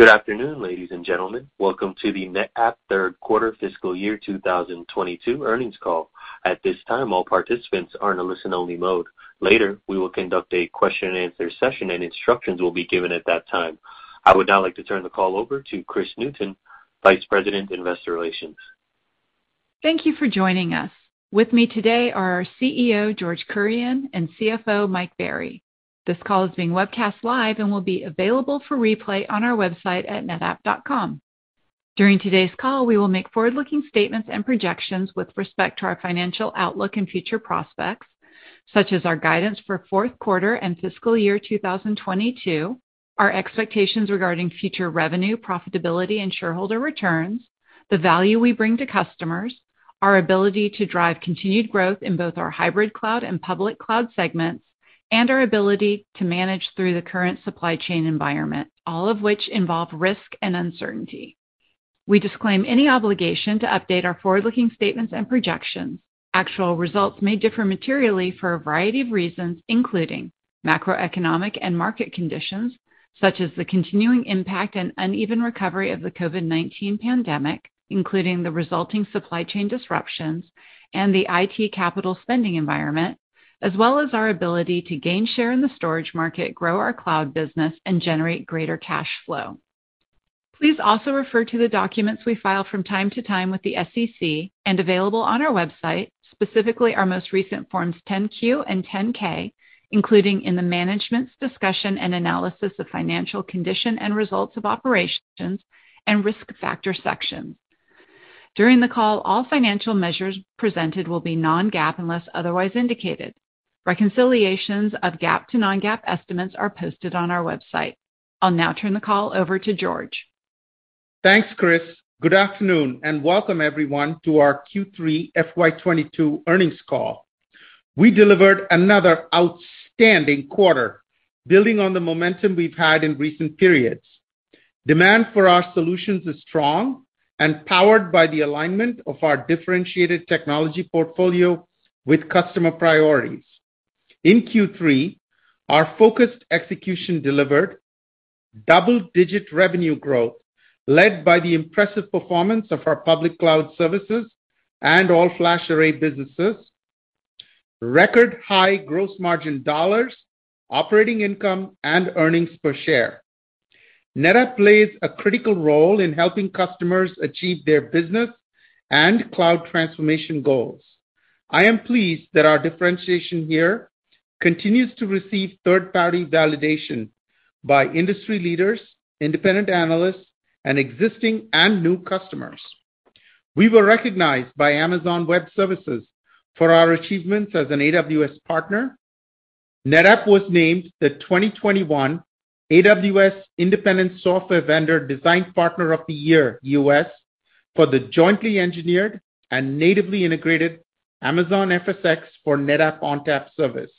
Good afternoon, ladies and gentlemen. Welcome to the NetApp third quarter fiscal year 2022 earnings call. At this time, all participants are in a listen-only mode. Later, we will conduct a Q&A session, and instructions will be given at that time. I would now like to turn the call over to Kris Newton, Vice President, Investor Relations. Thank you for joining us. With me today are our CEO, George Kurian, and CFO, Mike Berry. This call is being webcast live and will be available for replay on our website at netapp.com. During today's call, we will make forward-looking statements and projections with respect to our financial outlook and future prospects, such as our guidance for fourth quarter and fiscal year 2022, our expectations regarding future revenue, profitability, and shareholder returns, the value we bring to customers, our ability to drive continued growth in both our hybrid cloud and public cloud segments, and our ability to manage through the current supply chain environment, all of which involve risk and uncertainty. We disclaim any obligation to update our forward-looking statements and projections. Actual results may differ materially for a variety of reasons, including macroeconomic and market conditions, such as the continuing impact and uneven recovery of the COVID-19 pandemic, including the resulting supply chain disruptions and the IT capital spending environment, as well as our ability to gain share in the storage market, grow our cloud business, and generate greater cash flow. Please also refer to the documents we file from time to time with the SEC and available on our website, specifically our most recent Forms 10-Q and 10-K, including in the Management's Discussion and Analysis of Financial Condition and Results of Operations and Risk Factor section. During the call, all financial measures presented will be non-GAAP unless otherwise indicated. Reconciliations of GAAP to non-GAAP estimates are posted on our website. I'll now turn the call over to George. Thanks, Kris. Good afternoon, and welcome everyone to our Q3 FY 2022 earnings call. We delivered another outstanding quarter, building on the momentum we've had in recent periods. Demand for our solutions is strong and powered by the alignment of our differentiated technology portfolio with customer priorities. In Q3, our focused execution delivered double-digit revenue growth led by the impressive performance of our public cloud services and all-flash array businesses, record high gross margin dollars, operating income, and earnings per share. NetApp plays a critical role in helping customers achieve their business and cloud transformation goals. I am pleased that our differentiation here continues to receive third-party validation by industry leaders, independent analysts, and existing and new customers. We were recognized by Amazon Web Services for our achievements as an AWS partner. NetApp was named the 2021 AWS Independent Software Vendor Design Partner of the Year, U.S., for the jointly engineered and natively integrated Amazon FSx for NetApp ONTAP service.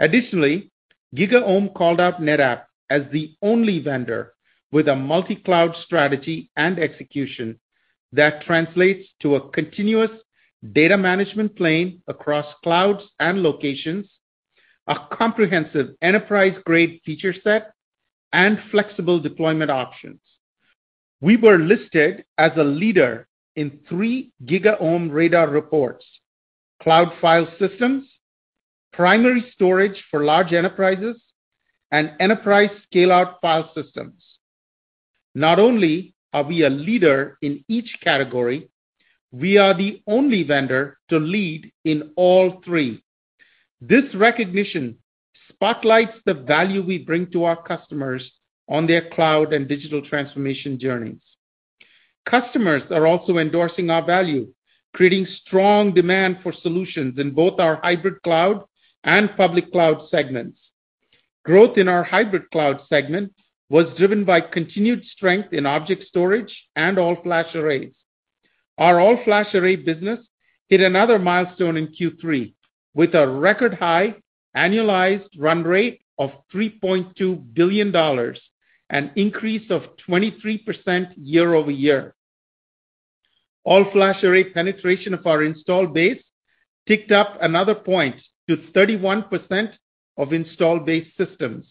Additionally, GigaOm called out NetApp as the only vendor with a multi-cloud strategy and execution that translates to a continuous data management plane across clouds and locations, a comprehensive enterprise-grade feature set, and flexible deployment options. We were listed as a leader in three GigaOm radar reports. Cloud file systems, primary storage for large enterprises, and enterprise scale-out file systems. Not only are we a leader in each category, we are the only vendor to lead in all three. This recognition spotlights the value we bring to our customers on their cloud and digital transformation journeys. Customers are also endorsing our value, creating strong demand for solutions in both our hybrid cloud and public cloud segments. Growth in our hybrid cloud segment was driven by continued strength in object storage and all-flash arrays. Our all-flash array business hit another milestone in Q3 with a record high annualized run rate of $3.2 billion, an increase of 23% year-over-year. All-flash array penetration of our installed base ticked up another point to 31% of installed base systems,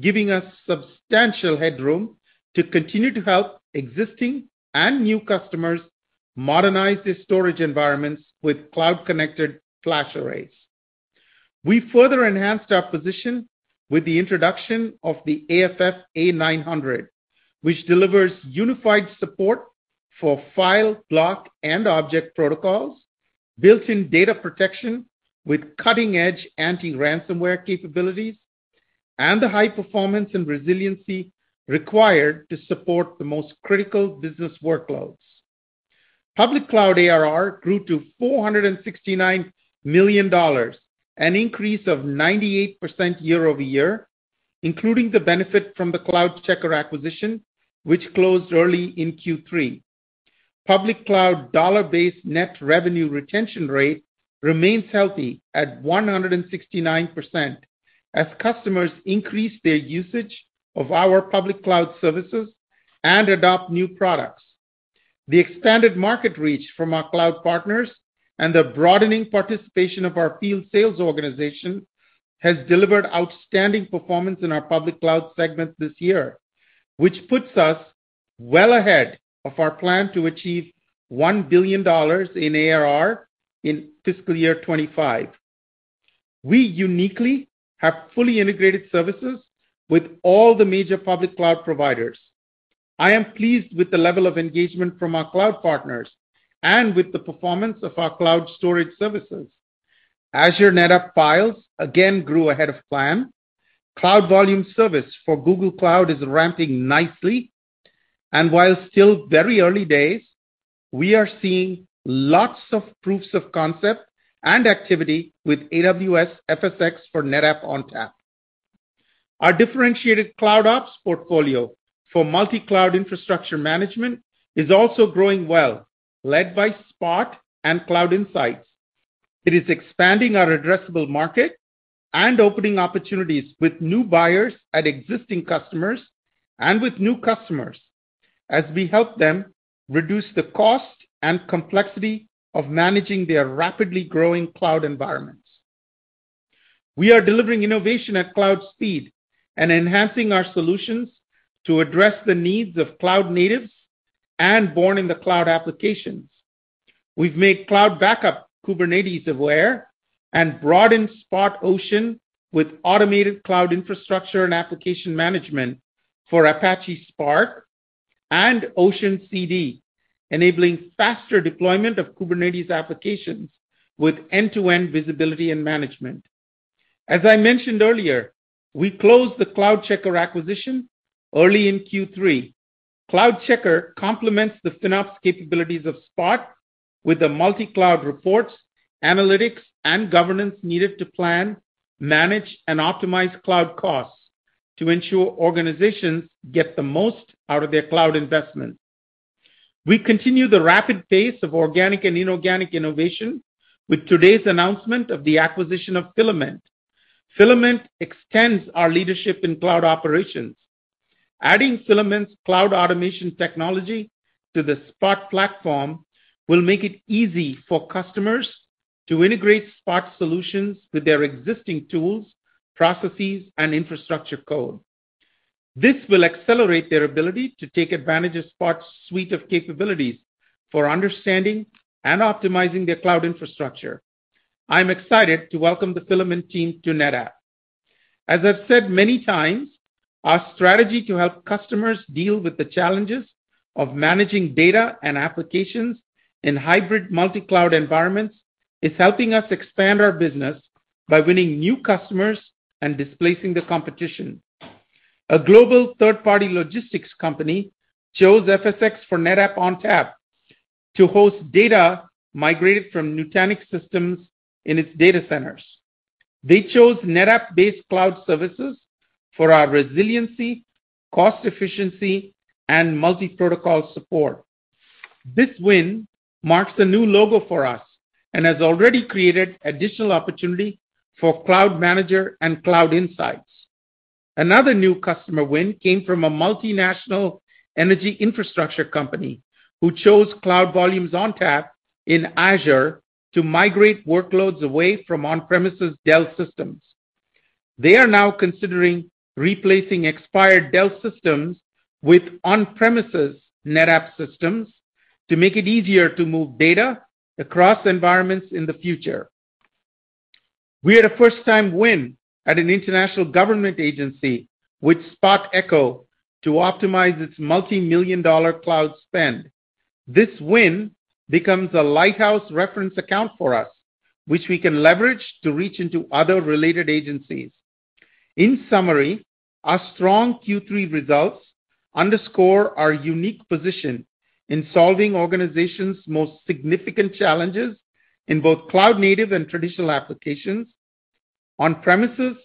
giving us substantial headroom to continue to help existing and new customers modernize their storage environments with cloud-connected flash arrays. We further enhanced our position with the introduction of the AFF A900, which delivers unified support for file, block, and object protocols, built-in data protection with cutting-edge anti-ransomware capabilities, and the high performance and resiliency required to support the most critical business workloads. Public cloud ARR grew to $469 million, an increase of 98% year-over-year, including the benefit from the CloudCheckr acquisition, which closed early in Q3. Public cloud dollar-based net revenue retention rate remains healthy at 169% as customers increase their usage of our public cloud services and adopt new products. The expanded market reach from our cloud partners and the broadening participation of our field sales organization has delivered outstanding performance in our public cloud segment this year, which puts us well ahead of our plan to achieve $1 billion in ARR in fiscal year 2025. We uniquely have fully integrated services with all the major public cloud providers. I am pleased with the level of engagement from our cloud partners and with the performance of our cloud storage services. Azure NetApp Files again grew ahead of plan. Cloud Volumes Service for Google Cloud is ramping nicely, and while still very early days, we are seeing lots of proofs of concept and activity with AWS FSx for NetApp ONTAP. Our differentiated Cloud Ops portfolio for multi-cloud infrastructure management is also growing well, led by Spot and Cloud Insights. It is expanding our addressable market and opening opportunities with new buyers at existing customers and with new customers as we help them reduce the cost and complexity of managing their rapidly growing cloud environments. We are delivering innovation at cloud speed and enhancing our solutions to address the needs of cloud natives and born in the cloud applications. We've made Cloud Backup Kubernetes aware and broadened Spot Ocean with automated cloud infrastructure and application management for Apache Spark and Ocean CD, enabling faster deployment of Kubernetes applications with end-to-end visibility and management. As I mentioned earlier, we closed the CloudCheckr acquisition early in Q3. CloudCheckr complements the FinOps capabilities of Spot with the multi-cloud reports, analytics, and governance needed to plan, manage, and optimize cloud costs to ensure organizations get the most out of their cloud investment. We continue the rapid pace of organic and inorganic innovation with today's announcement of the acquisition of Fylamynt. Fylamynt extends our leadership in cloud operations. Adding Fylamynt's cloud automation technology to the Spot platform will make it easy for customers to integrate Spot solutions with their existing tools, processes, and infrastructure code. This will accelerate their ability to take advantage of Spot's suite of capabilities for understanding and optimizing their cloud infrastructure. I'm excited to welcome the Fylamynt team to NetApp. As I've said many times, our strategy to help customers deal with the challenges of managing data and applications in hybrid multi-cloud environments is helping us expand our business by winning new customers and displacing the competition. A global third-party logistics company chose FSx for NetApp ONTAP to host data migrated from Nutanix systems in its data centers. They chose NetApp-based cloud services for our resiliency, cost efficiency, and multi-protocol support. This win marks a new logo for us and has already created additional opportunity for Cloud Manager and Cloud Insights. Another new customer win came from a multinational energy infrastructure company who chose Cloud Volumes ONTAP in Azure to migrate workloads away from on-premises Dell systems. They are now considering replacing expired Dell systems with on-premises NetApp systems to make it easier to move data across environments in the future. We had a first-time win at an international government agency with Spot Eco to optimize its multi-million dollar cloud spend. This win becomes a lighthouse reference account for us, which we can leverage to reach into other related agencies. In summary, our strong Q3 results underscore our unique position in solving organizations' most significant challenges in both cloud-native and traditional applications, on premises,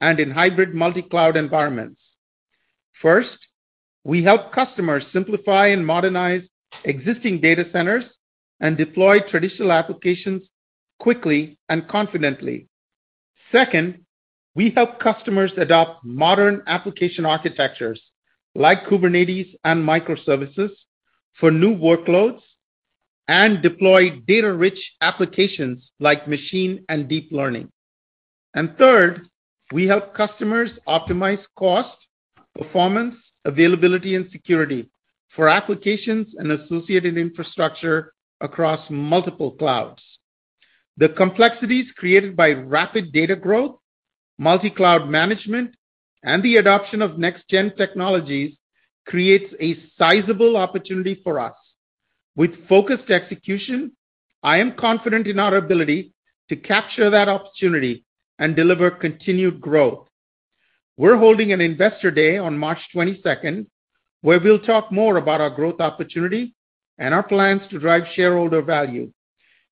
and in hybrid multi-cloud environments. First, we help customers simplify and modernize existing data centers and deploy traditional applications quickly and confidently. Second, we help customers adopt modern application architectures like Kubernetes and microservices for new workloads and deploy data-rich applications like machine and deep learning. Third, we help customers optimize cost, performance, availability, and security for applications and associated infrastructure across multiple clouds. The complexities created by rapid data growth, multi-cloud management, and the adoption of next gen technologies creates a sizable opportunity for us. With focused execution, I am confident in our ability to capture that opportunity and deliver continued growth. We're holding an investor day on March 22nd, where we'll talk more about our growth opportunity and our plans to drive shareholder value.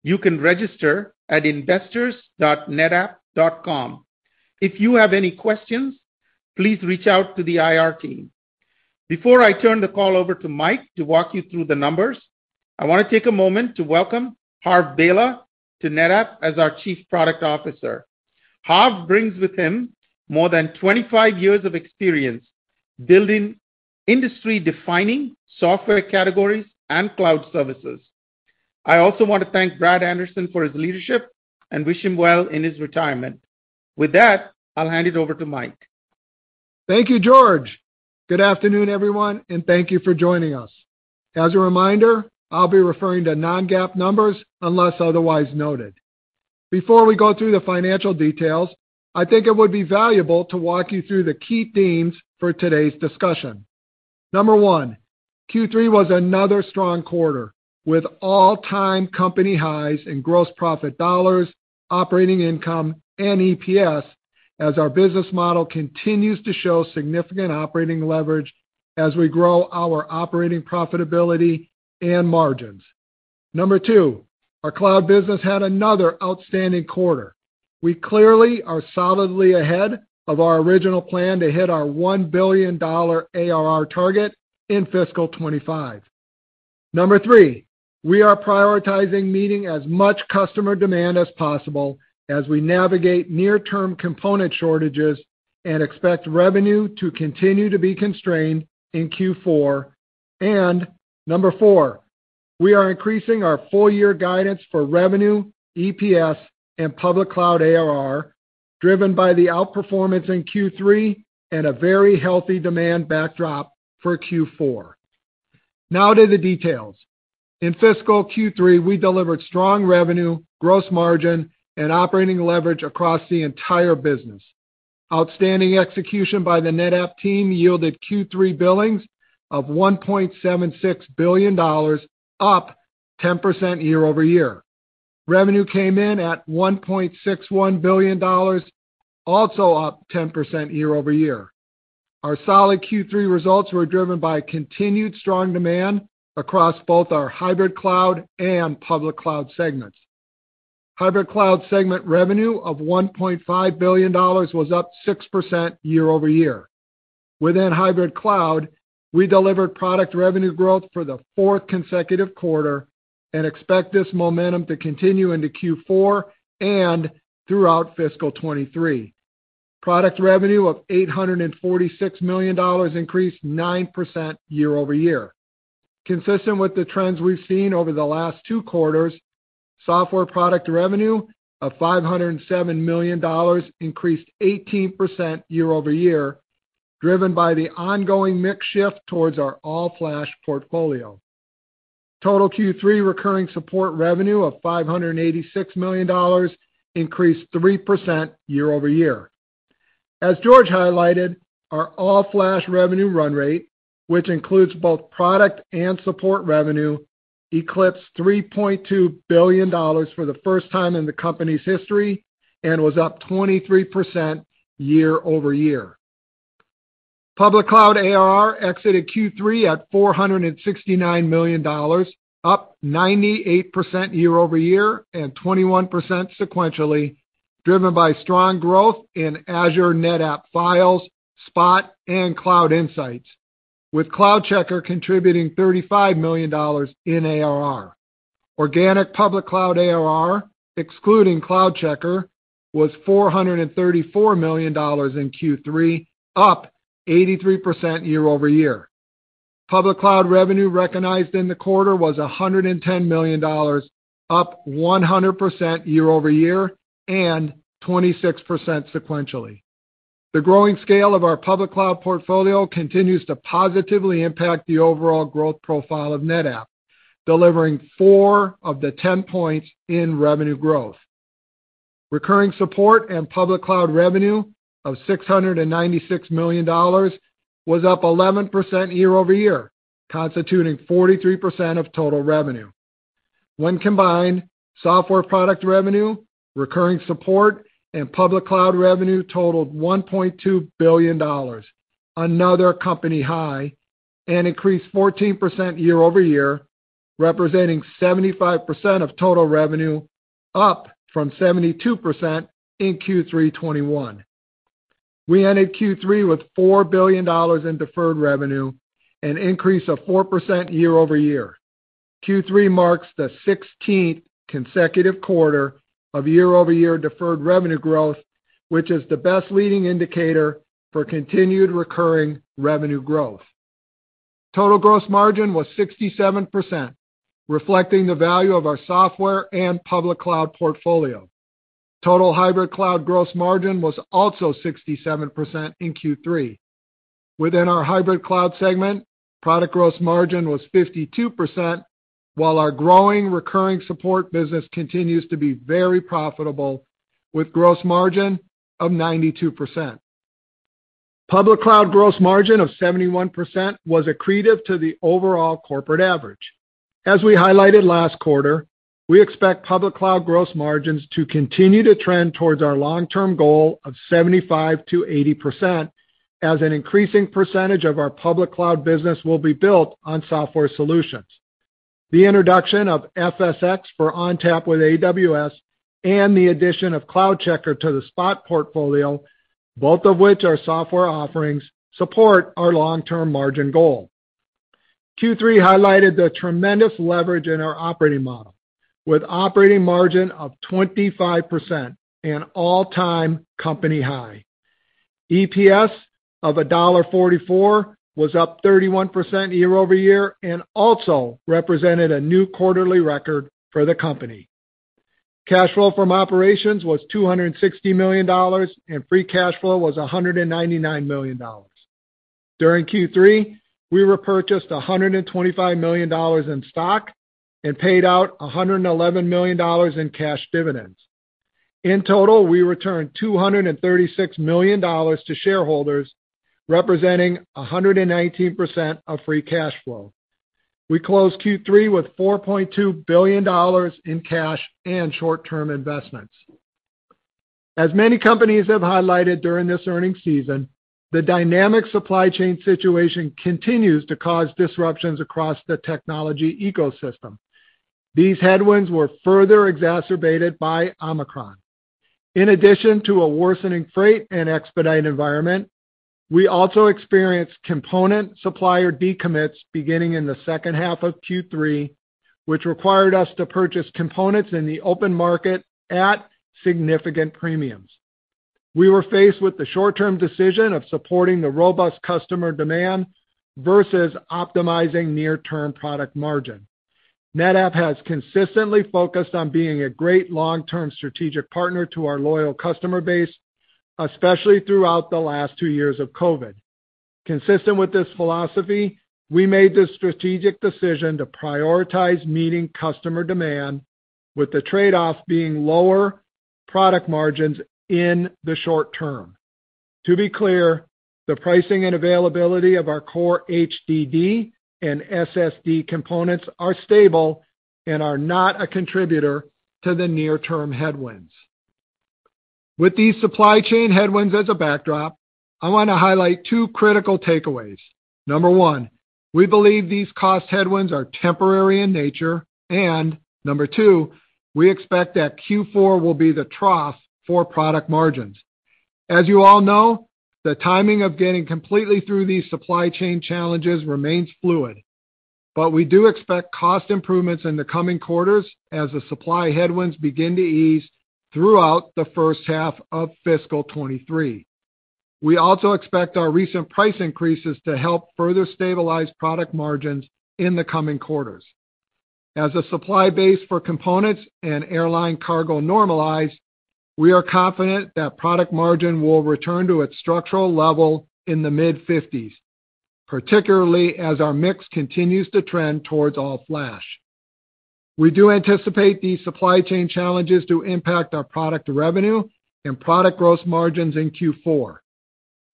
You can register at investors.netapp.com. If you have any questions, please reach out to the IR team. Before I turn the call over to Mike to walk you through the numbers. I want to take a moment to welcome Harvinder Bhela to NetApp as our Chief Product Officer. Harvinder Bhela brings with him more than 25 years of experience building industry-defining software categories and cloud services. I also want to thank Brad Anderson for his leadership and wish him well in his retirement. With that, I'll hand it over to Mike. Thank you, George. Good afternoon, everyone, and thank you for joining us. As a reminder, I'll be referring to non-GAAP numbers unless otherwise noted. Before we go through the financial details, I think it would be valuable to walk you through the key themes for today's discussion. Number one, Q3 was another strong quarter, with all-time company highs in gross profit dollars, operating income, and EPS, as our business model continues to show significant operating leverage as we grow our operating profitability and margins. Number two, our cloud business had another outstanding quarter. We clearly are solidly ahead of our original plan to hit our $1 billion ARR target in fiscal 2025. Number three, we are prioritizing meeting as much customer demand as possible as we navigate near-term component shortages and expect revenue to continue to be constrained in Q4. Number four, we are increasing our full-year guidance for revenue, EPS, and public cloud ARR, driven by the outperformance in Q3 and a very healthy demand backdrop for Q4. Now to the details. In fiscal Q3, we delivered strong revenue, gross margin, and operating leverage across the entire business. Outstanding execution by the NetApp team yielded Q3 billings of $1.76 billion, up 10% year-over-year. Revenue came in at $1.61 billion, also up 10% year-over-year. Our solid Q3 results were driven by continued strong demand across both our Hybrid Cloud and Public Cloud segments. Hybrid Cloud segment revenue of $1.5 billion was up 6% year-over-year. Within hybrid cloud, we delivered product revenue growth for the fourth consecutive quarter and expect this momentum to continue into Q4 and throughout fiscal 2023. Product revenue of $846 million increased 9% year-over-year. Consistent with the trends we've seen over the last two quarters, software product revenue of $507 million increased 18% year-over-year, driven by the ongoing mix shift towards our all-flash portfolio. Total Q3 recurring support revenue of $586 million increased 3% year-over-year. As George highlighted, our all-flash revenue run rate, which includes both product and support revenue, eclipsed $3.2 billion for the first time in the company's history and was up 23% year-over-year. Public cloud ARR exited Q3 at $469 million, up 98% year-over-year and 21% sequentially, driven by strong growth in Azure NetApp Files, Spot, and Cloud Insights, with CloudCheckr contributing $35 million in ARR. Organic public cloud ARR, excluding CloudCheckr, was $434 million in Q3, up 83% year-over-year. Public cloud revenue recognized in the quarter was $110 million, up 100% year-over-year and 26% sequentially. The growing scale of our public cloud portfolio continues to positively impact the overall growth profile of NetApp, delivering four of the 10 points in revenue growth. Recurring support and public cloud revenue of $696 million was up 11% year-over-year, constituting 43% of total revenue. When combined, software product revenue, recurring support, and public cloud revenue totaled $1.2 billion, another company high, and increased 14% year-over-year, representing 75% of total revenue, up from 72% in Q3 2021. We ended Q3 with $4 billion in deferred revenue, an increase of 4% year-over-year. Q3 marks the 16th consecutive quarter of year-over-year deferred revenue growth, which is the best leading indicator for continued recurring revenue growth. Total gross margin was 67%, reflecting the value of our software and public cloud portfolio. Total hybrid cloud gross margin was also 67% in Q3. Within our hybrid cloud segment, product gross margin was 52%, while our growing recurring support business continues to be very profitable with gross margin of 92%. Public cloud gross margin of 71% was accretive to the overall corporate average. As we highlighted last quarter, we expect public cloud gross margins to continue to trend towards our long-term goal of 75%-80% as an increasing percentage of our public cloud business will be built on software solutions. The introduction of FSx for ONTAP with AWS and the addition of CloudCheckr to the Spot portfolio, both of which are software offerings support our long-term margin goal. Q3 highlighted the tremendous leverage in our operating model, with operating margin of 25%, an all-time company high. EPS of $1.44 was up 31% year-over-year, and also represented a new quarterly record for the company. Cash flow from operations was $260 million, and free cash flow was $199 million. During Q3, we repurchased $125 million in stock and paid out $111 million in cash dividends. In total, we returned $236 million to shareholders, representing 119% of free cash flow. We closed Q3 with $4.2 billion in cash and short-term investments. As many companies have highlighted during this earnings season, the dynamic supply chain situation continues to cause disruptions across the technology ecosystem. These headwinds were further exacerbated by Omicron. In addition to a worsening freight and expedite environment, we also experienced component supplier decommits beginning in the second half of Q3, which required us to purchase components in the open market at significant premiums. We were faced with the short-term decision of supporting the robust customer demand versus optimizing near term product margin. NetApp has consistently focused on being a great long-term strategic partner to our loyal customer base, especially throughout the last two years of COVID. Consistent with this philosophy, we made the strategic decision to prioritize meeting customer demand with the trade-off being lower product margins in the short term. To be clear, the pricing and availability of our core HDD and SSD components are stable and are not a contributor to the near term headwinds. With these supply chain headwinds as a backdrop, I want to highlight two critical takeaways. Number one, we believe these cost headwinds are temporary in nature. Number two, we expect that Q4 will be the trough for product margins. As you all know, the timing of getting completely through these supply chain challenges remains fluid. We do expect cost improvements in the coming quarters as the supply headwinds begin to ease throughout the first half of fiscal 2023. We also expect our recent price increases to help further stabilize product margins in the coming quarters. As the supply base for components and airline cargo normalize, we are confident that product margin will return to its structural level in the mid-50s%, particularly as our mix continues to trend towards all-flash. We do anticipate these supply chain challenges to impact our product revenue and product gross margins in Q4.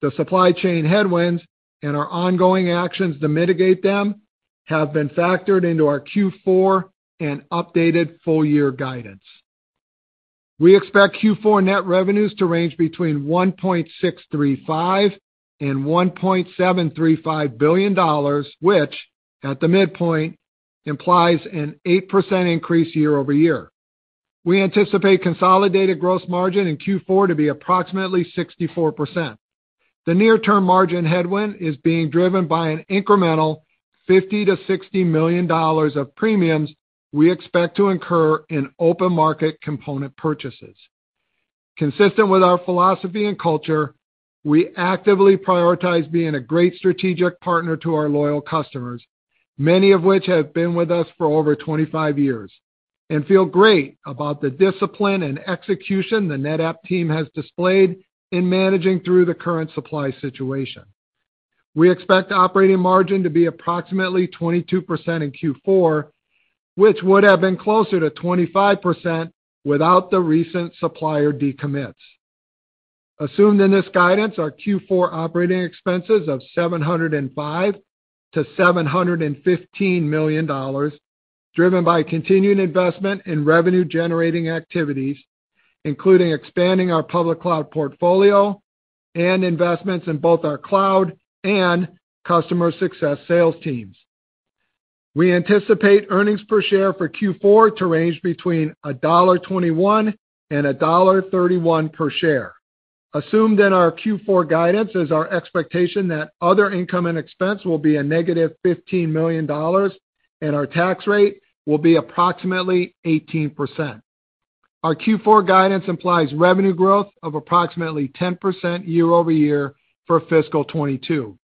The supply chain headwinds and our ongoing actions to mitigate them have been factored into our Q4 and updated full year guidance. We expect Q4 net revenues to range between $1.635 billion and $1.735 billion, which, at the midpoint, implies an 8% increase year-over-year. We anticipate consolidated gross margin in Q4 to be approximately 64%. The near term margin headwind is being driven by an incremental $50 million-$60 million of premiums we expect to incur in open market component purchases. Consistent with our philosophy and culture, we actively prioritize being a great strategic partner to our loyal customers, many of which have been with us for over 25 years, and feel great about the discipline and execution the NetApp team has displayed in managing through the current supply situation. We expect operating margin to be approximately 22% in Q4, which would have been closer to 25% without the recent supplier decommits. Assumed in this guidance are Q4 operating expenses of $705 million-$715 million, driven by continuing investment in revenue generating activities, including expanding our public cloud portfolio and investments in both our cloud and customer success sales teams. We anticipate earnings per share for Q4 to range between $1.21 and $1.31 per share. Assumed in our Q4 guidance is our expectation that other income and expense will be -$15 million and our tax rate will be approximately 18%. Our Q4 guidance implies revenue growth of approximately 10% year-over-year for fiscal 2022.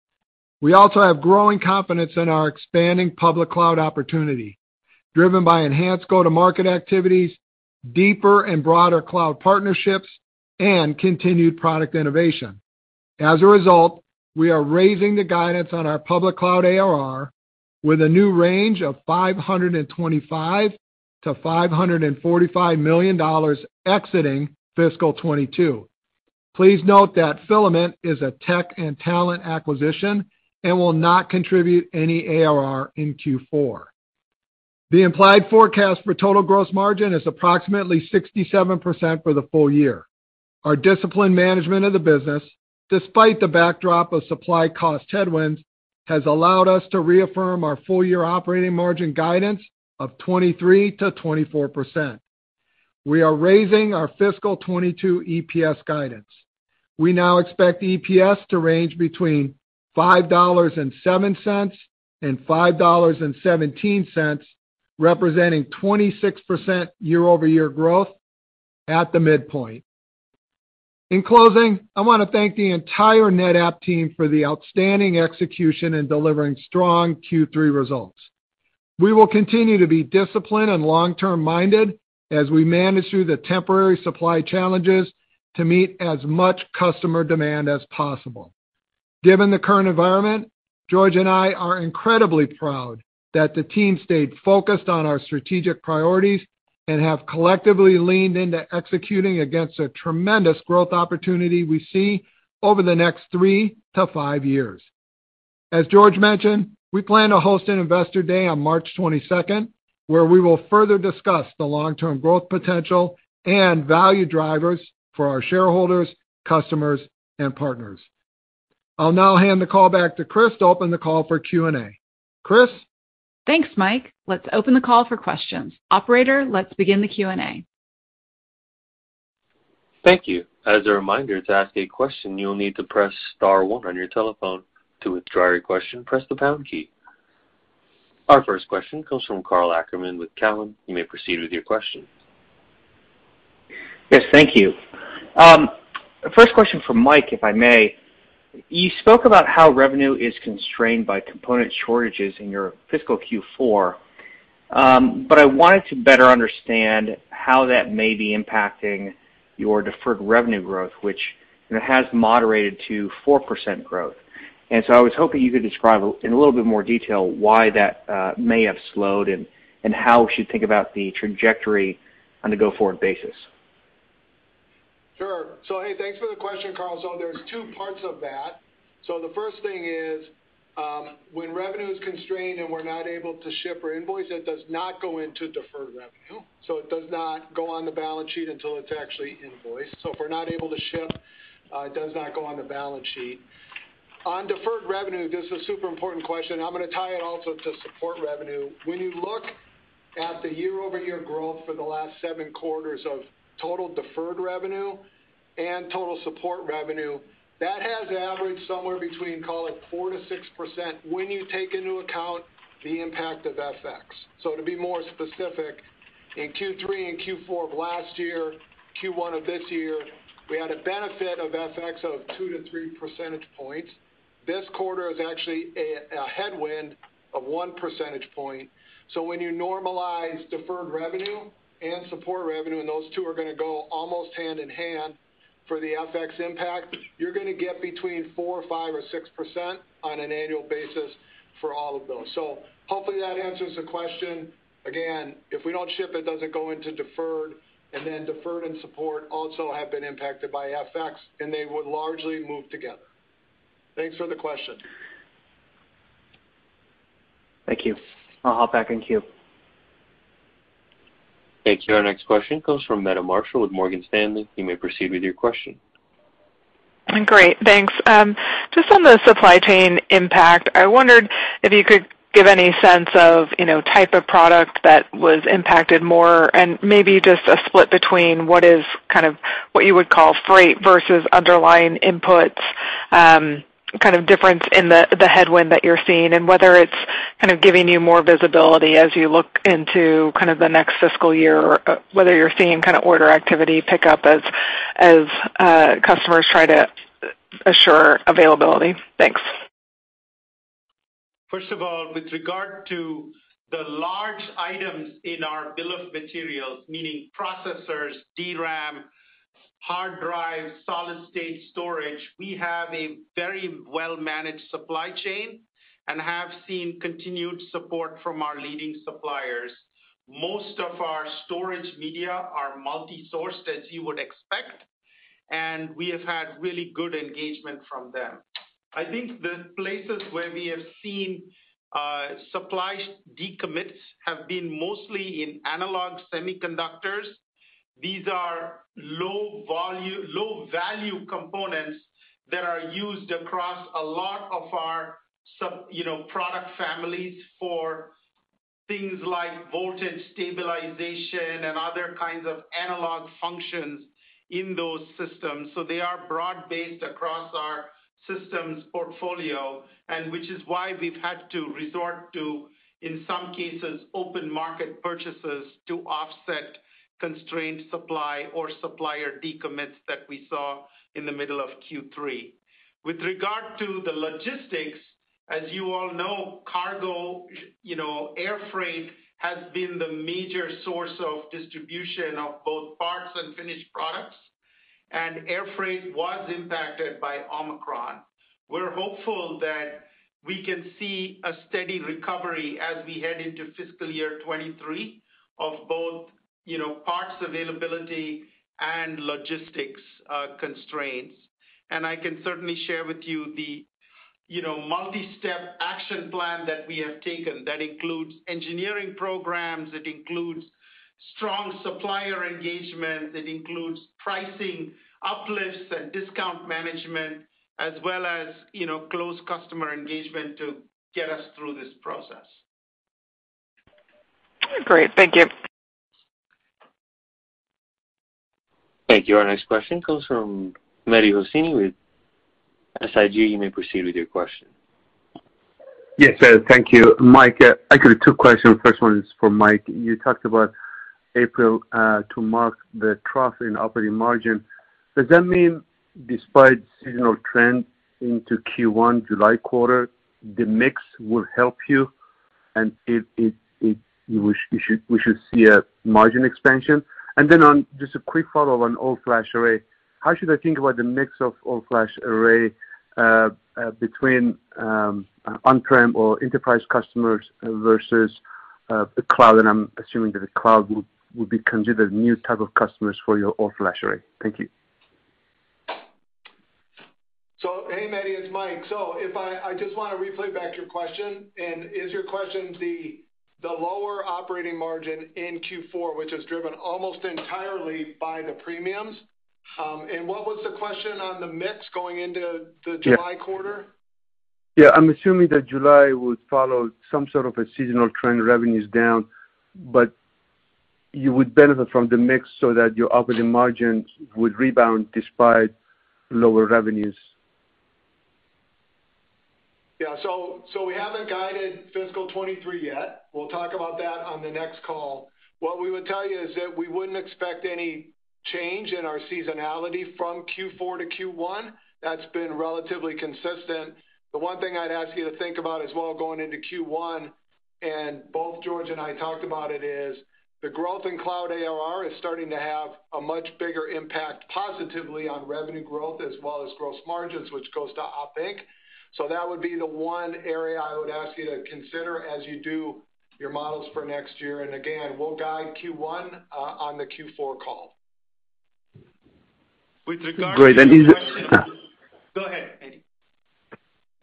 We also have growing confidence in our expanding public cloud opportunity, driven by enhanced go-to-market activities, deeper and broader cloud partnerships, and continued product innovation. As a result, we are raising the guidance on our public cloud ARR with a new range of $525 million-$545 million exiting fiscal 2022. Please note that Fylamynt is a tech and talent acquisition and will not contribute any ARR in Q4. The implied forecast for total gross margin is approximately 67% for the full year. Our disciplined management of the business, despite the backdrop of supply cost headwinds, has allowed us to reaffirm our full-year operating margin guidance of 23%-24%. We are raising our fiscal 2022 EPS guidance. We now expect EPS to range between $5.07 and $5.17, representing 26% year-over-year growth at the midpoint. In closing, I want to thank the entire NetApp team for the outstanding execution in delivering strong Q3 results. We will continue to be disciplined and long-term minded as we manage through the temporary supply challenges to meet as much customer demand as possible. Given the current environment, George and I are incredibly proud that the team stayed focused on our strategic priorities and have collectively leaned into executing against a tremendous growth opportunity we see over the next three to five years. As George mentioned, we plan to host an Investor Day on March 22nd, where we will further discuss the long-term growth potential and value drivers for our shareholders, customers, and partners. I'll now hand the call back to Kris to open the call for Q&A. Kris? Thanks, Mike. Let's open the call for questions. Operator, let's begin the Q&A. Thank you. As a reminder, to ask a question, you'll need to press star one on your telephone. To withdraw your question, press the pound key. Our first question comes from Karl Ackerman with Cowen. You may proceed with your question. Yes, thank you. First question for Mike, if I may. You spoke about how revenue is constrained by component shortages in your fiscal Q4. But I wanted to better understand how that may be impacting your deferred revenue growth, which has moderated to 4% growth. I was hoping you could describe in a little bit more detail why that may have slowed and how we should think about the trajectory on a go-forward basis. Sure. Hey, thanks for the question, Karl. There's two parts of that. The first thing is, when revenue is constrained and we're not able to ship or invoice, it does not go into deferred revenue. It does not go on the balance sheet until it's actually invoiced. If we're not able to ship, it does not go on the balance sheet. On deferred revenue, this is a super important question. I'm gonna tie it also to support revenue. When you look at the year-over-year growth for the last seven quarters of total deferred revenue and total support revenue, that has averaged somewhere between, call it, 4%-6% when you take into account the impact of FX. To be more specific, in Q3 and Q4 of last year, Q1 of this year, we had a benefit of FX of 2-3 percentage points. This quarter is actually a headwind of 1 percentage point. When you normalize deferred revenue and support revenue, and those two are gonna go almost hand in hand for the FX impact, you're gonna get between 4%, 5%, or 6% on an annual basis for all of those. Hopefully that answers the question. Again, if we don't ship, it doesn't go into deferred, and then deferred and support also have been impacted by FX, and they would largely move together. Thanks for the question. Thank you. I'll hop back in queue. Thank you. Our next question comes from Meta Marshall with Morgan Stanley. You may proceed with your question. Great, thanks. Just on the supply chain impact, I wondered if you could give any sense of, you know, type of product that was impacted more and maybe just a split between what is kind of what you would call freight versus underlying inputs, kind of difference in the headwind that you're seeing, and whether it's kind of giving you more visibility as you look into kind of the next fiscal year, or, whether you're seeing kinda order activity pick up as customers try to assure availability. Thanks. First of all, with regard to the large items in our bill of materials, meaning processors, DRAM, hard drives, solid state storage, we have a very well-managed supply chain and have seen continued support from our leading suppliers. Most of our storage media are multi-sourced, as you would expect, and we have had really good engagement from them. I think the places where we have seen supply decommits have been mostly in analog semiconductors. These are low value components that are used across a lot of our, you know, product families for things like voltage stabilization and other kinds of analog functions in those systems. They are broad-based across our systems portfolio and which is why we've had to resort to, in some cases, open market purchases to offset constrained supply or supplier decommits that we saw in the middle of Q3. With regard to the logistics, as you all know, cargo, you know, air freight has been the major source of distribution of both parts and finished products, and air freight was impacted by Omicron. We're hopeful that we can see a steady recovery as we head into fiscal year 2023 of both, you know, parts availability and logistics constraints. I can certainly share with you the, you know, multi-step action plan that we have taken that includes engineering programs, it includes strong supplier engagement that includes pricing uplifts and discount management, as well as, you know, close customer engagement to get us through this process. Great. Thank you. Thank you. Our next question comes from Mehdi Hosseini with SIG. You may proceed with your question. Yes, thank you. Mike, I got two questions. First one is for Mike. You talked about April to mark the trough in operating margin. Does that mean despite seasonal trends into Q1 July quarter, the mix will help you and it we should see a margin expansion? And then just a quick follow on All Flash Array. How should I think about the mix of All Flash Array between on-prem or enterprise customers versus the cloud? And I'm assuming that the cloud would be considered new type of customers for your All Flash Array. Thank you. Hey, Mehdi, it's Mike. If I just want to play back your question, is your question the lower operating margin in Q4, which is driven almost entirely by the premiums? What was the question on the mix going into the July quarter? Yeah, I'm assuming that July would follow some sort of a seasonal trend, revenues down, but you would benefit from the mix so that your operating margins would rebound despite lower revenues. Yeah. We haven't guided fiscal 2023 yet. We'll talk about that on the next call. What we would tell you is that we wouldn't expect any change in our seasonality from Q4 to Q1. That's been relatively consistent. The one thing I'd ask you to think about as well going into Q1, and both George and I talked about it, is the growth in cloud ARR is starting to have a much bigger impact positively on revenue growth as well as gross margins, which goes to OPEX. That would be the one area I would ask you to consider as you do your models for next year. We'll guide Q1 on the Q4 call. With regard to Great. Go ahead, Mehdi Hosseini.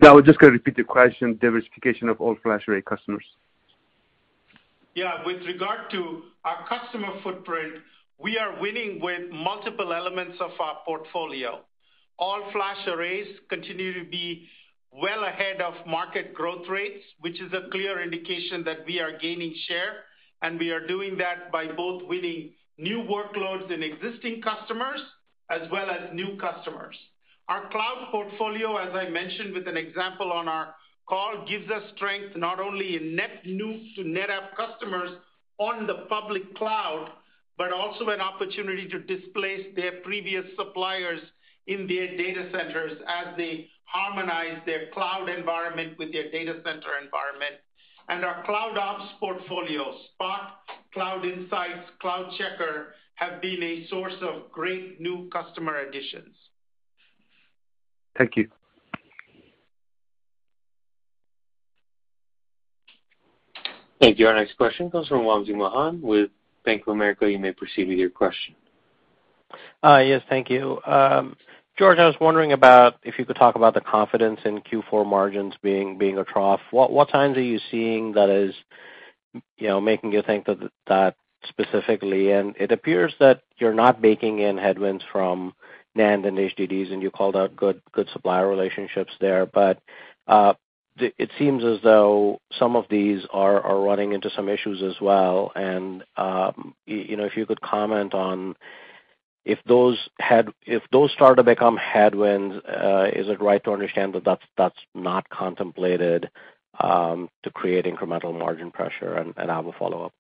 No, I was just gonna repeat the question, diversification of all-flash array customers. Yeah. With regard to our customer footprint, we are winning with multiple elements of our portfolio. All-flash arrays continue to be well ahead of market growth rates, which is a clear indication that we are gaining share, and we are doing that by both winning new workloads in existing customers as well as new customers. Our cloud portfolio, as I mentioned with an example on our call, gives us strength not only in net new to NetApp customers on the public cloud, but also an opportunity to displace their previous suppliers in their data centers as they harmonize their cloud environment with their data center environment. Our CloudOps portfolio, Spot, Cloud Insights, CloudCheckr, have been a source of great new customer additions. Thank you. Thank you. Our next question comes from Wamsi Mohan with Bank of America. You may proceed with your question. Yes, thank you. George, I was wondering about if you could talk about the confidence in Q4 margins being a trough. What signs are you seeing that is, you know, making you think that specifically? And it appears that you're not baking in headwinds from NAND and HDDs, and you called out good supplier relationships there. But it seems as though some of these are running into some issues as well. And you know, if you could comment on if those start to become headwinds, is it right to understand that that's not contemplated to create incremental margin pressure? And I have a follow-up.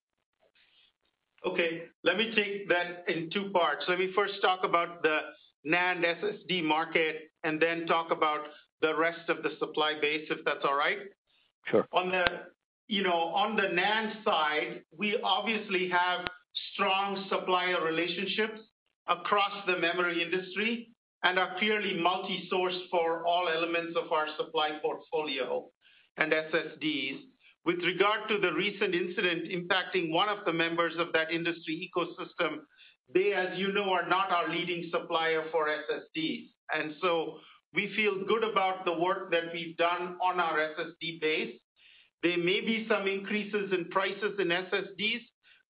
Okay. Let me take that in two parts. Let me first talk about the NAND SSD market and then talk about the rest of the supply base, if that's all right. Sure. You know, on the NAND side, we obviously have strong supplier relationships across the memory industry and are clearly multi-source for all elements of our supply portfolio and SSDs. With regard to the recent incident impacting one of the members of that industry ecosystem, they, as you know, are not our leading supplier for SSDs, and so we feel good about the work that we've done on our SSD base. There may be some increases in prices in SSDs,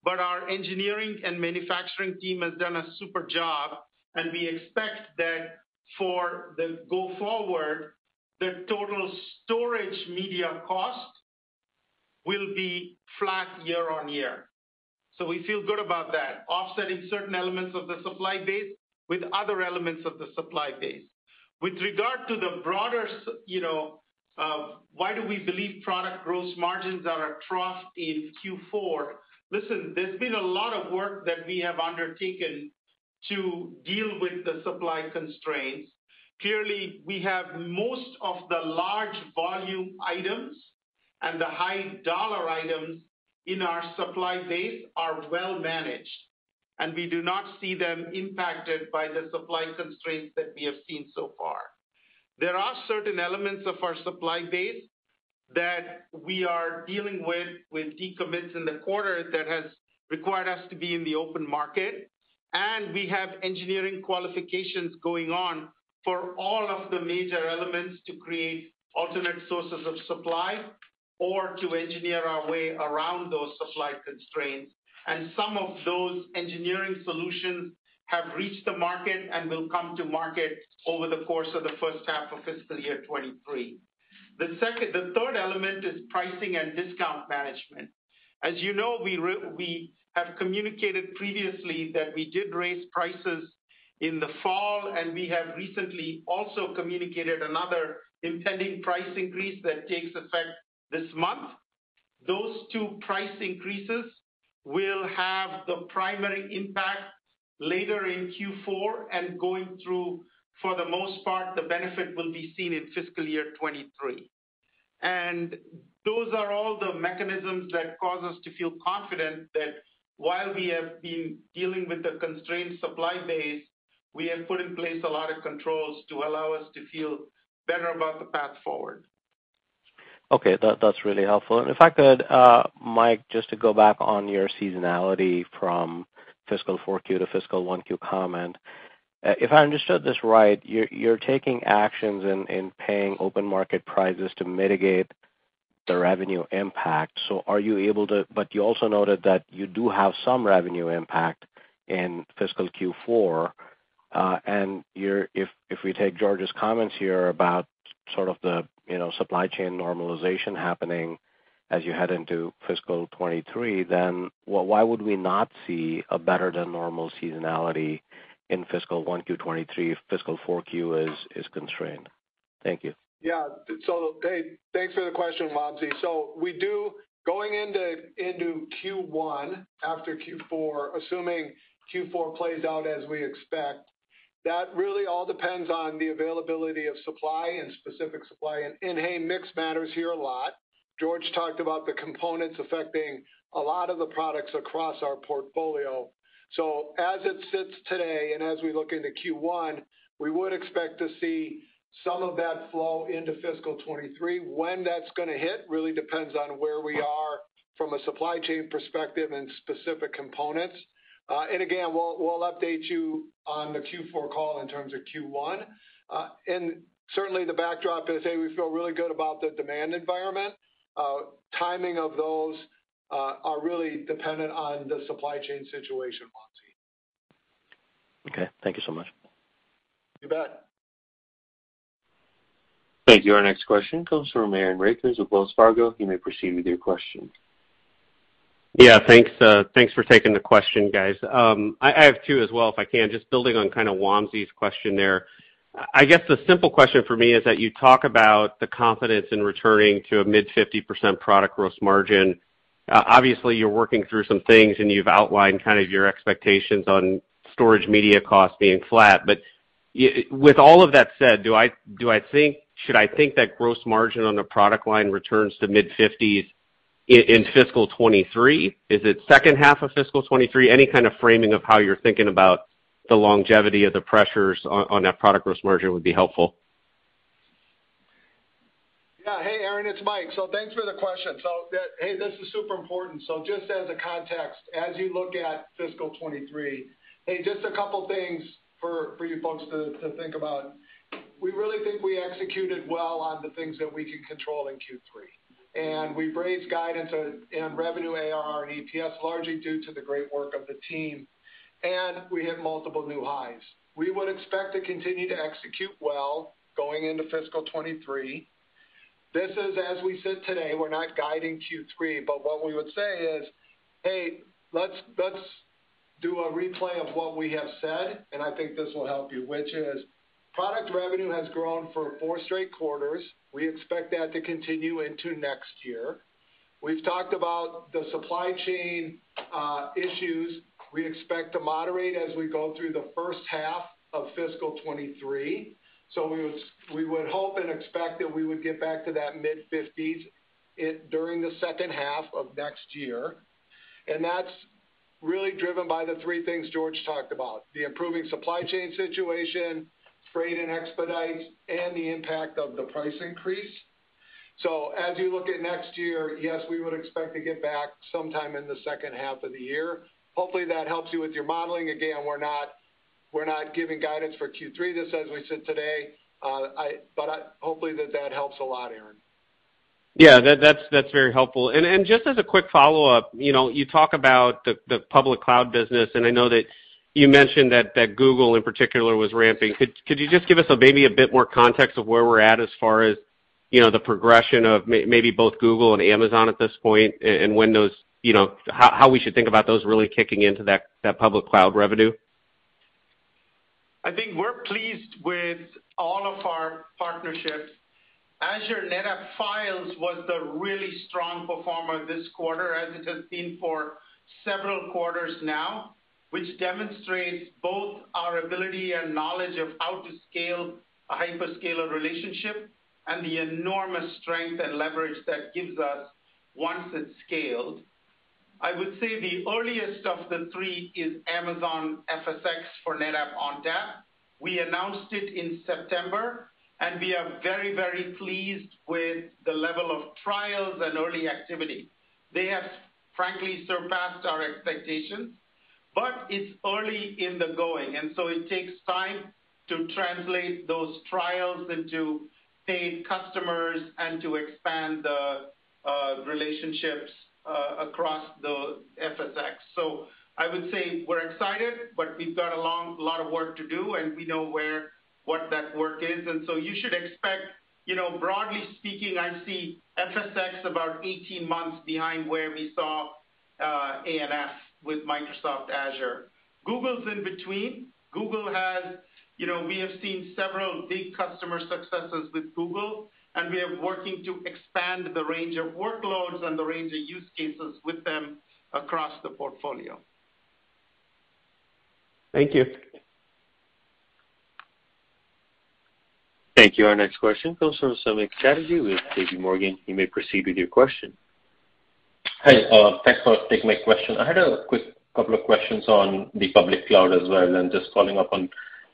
but our engineering and manufacturing team has done a super job, and we expect that for the go forward, the total storage media cost will be flat year-over-year. We feel good about that, offsetting certain elements of the supply base with other elements of the supply base. With regard to the broader, why do we believe product gross margins are a trough in Q4? Listen, there's been a lot of work that we have undertaken to deal with the supply constraints. Clearly, we have most of the large volume items and the high dollar items in our supply base are well managed, and we do not see them impacted by the supply constraints that we have seen so far. There are certain elements of our supply base that we are dealing with decommits in the quarter that has required us to be in the open market. We have engineering qualifications going on for all of the major elements to create alternate sources of supply or to engineer our way around those supply constraints. Some of those engineering solutions have reached the market and will come to market over the course of the first half of fiscal year 2023. The third element is pricing and discount management. As you know, we have communicated previously that we did raise prices in the fall, and we have recently also communicated another impending price increase that takes effect this month. Those two price increases will have the primary impact later in Q4 and going through, for the most part, the benefit will be seen in fiscal year 2023. Those are all the mechanisms that cause us to feel confident that while we have been dealing with the constrained supply base, we have put in place a lot of controls to allow us to feel better about the path forward. Okay. That's really helpful. If I could, Mike, just to go back on your seasonality from fiscal 4Q to fiscal 1Q comment. If I understood this right, you're taking actions in paying open market prices to mitigate the revenue impact. So are you able to? But you also noted that you do have some revenue impact in fiscal Q4. You're, if we take George's comments here about sort of the, you know, supply chain normalization happening as you head into fiscal 2023, then why would we not see a better than normal seasonality in fiscal 1Q 2023 if fiscal 4Q is constrained? Thank you. Yeah. Hey, thanks for the question, Wamsi. Going into Q1 after Q4, assuming Q4 plays out as we expect, that really all depends on the availability of supply and specific supply. Hey, mix matters here a lot. George talked about the components affecting a lot of the products across our portfolio. As it sits today and as we look into Q1, we would expect to see some of that flow into fiscal 2023. When that's gonna hit really depends on where we are from a supply chain perspective and specific components. Again, we'll update you on the Q4 call in terms of Q1. Certainly the backdrop is, A, we feel really good about the demand environment. Timing of those are really dependent on the supply chain situation, Wamsi. Okay. Thank you so much. You bet. Thank you. Our next question comes from Aaron Rakers of Wells Fargo. You may proceed with your question. Yeah. Thanks for taking the question, guys. I have two as well, if I can, just building on kinda Wamsi's question there. I guess the simple question for me is that you talk about the confidence in returning to a mid-50% product gross margin. Obviously you're working through some things, and you've outlined kind of your expectations on storage media costs being flat. With all of that said, should I think that gross margin on the product line returns to mid-50s in fiscal 2023? Is it second half of fiscal 2023? Any kind of framing of how you're thinking about the longevity of the pressures on that product gross margin would be helpful. Hey, Aaron, it's Mike. Thanks for the question. Hey, this is super important. Just as a context, as you look at fiscal 2023, hey, just a couple things for you folks to think about. We really think we executed well on the things that we can control in Q3. We've raised guidance on revenue, ARR, and EPS, largely due to the great work of the team, and we hit multiple new highs. We would expect to continue to execute well going into fiscal 2023. This is, as we said today, we're not guiding Q3, but what we would say is, hey, let's do a replay of what we have said, and I think this will help you, which is product revenue has grown for four straight quarters. We expect that to continue into next year. We've talked about the supply chain issues we expect to moderate as we go through the first half of fiscal 2023. We would hope and expect that we would get back to that mid-50s during the second half of next year. That's really driven by the three things George talked about, the improving supply chain situation, freight and expedites, and the impact of the price increase. As you look at next year, yes, we would expect to get back sometime in the second half of the year. Hopefully, that helps you with your modeling. Again, we're not giving guidance for Q3, just as we said today. Hopefully that helps a lot, Aaron. Yeah. That's very helpful. And just as a quick follow-up, you know, you talk about the public cloud business, and I know that you mentioned that Google in particular was ramping. Could you just give us maybe a bit more context of where we're at as far as, you know, the progression of maybe both Google and Amazon at this point and when those, you know, how we should think about those really kicking into that public cloud revenue? I think we're pleased with all of our partnerships. Azure NetApp Files was the really strong performer this quarter, as it has been for several quarters now, which demonstrates both our ability and knowledge of how to scale a hyperscaler relationship and the enormous strength and leverage that gives us once it's scaled. I would say the earliest of the three is Amazon FSx for NetApp ONTAP. We announced it in September, and we are very, very pleased with the level of trials and early activity. They have, frankly, surpassed our expectations, but it's early in the going, and so it takes time to translate those trials into paying customers and to expand the relationships across the FSx. I would say we're excited, but we've got a lot of work to do, and we know what that work is. You should expect, you know, broadly speaking, I see FSx about 18 months behind where we saw ANF with Microsoft Azure. Google's in between. Google has, you know, we have seen several big customer successes with Google, and we are working to expand the range of workloads and the range of use cases with them across the portfolio. Thank you. Thank you. Our next question comes from Samik Chatterjee with JPMorgan. You may proceed with your question. Hi, thanks for taking my question. I had a quick couple of questions on the public cloud as well, and just following up on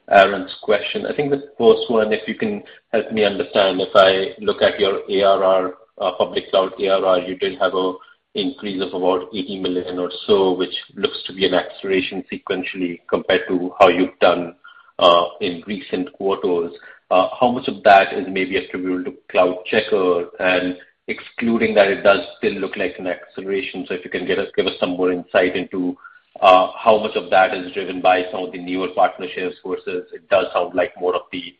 Aaron's question. I think the first one, if you can help me understand, if I look at your ARR, public cloud ARR, you did have an increase of about $80 million or so, which looks to be an acceleration sequentially compared to how you've done, in recent quarters. How much of that is maybe attributable to CloudCheckr? And excluding that, it does still look like an acceleration. If you can give us some more insight into, how much of that is driven by some of the newer partnerships versus it does sound like more of the,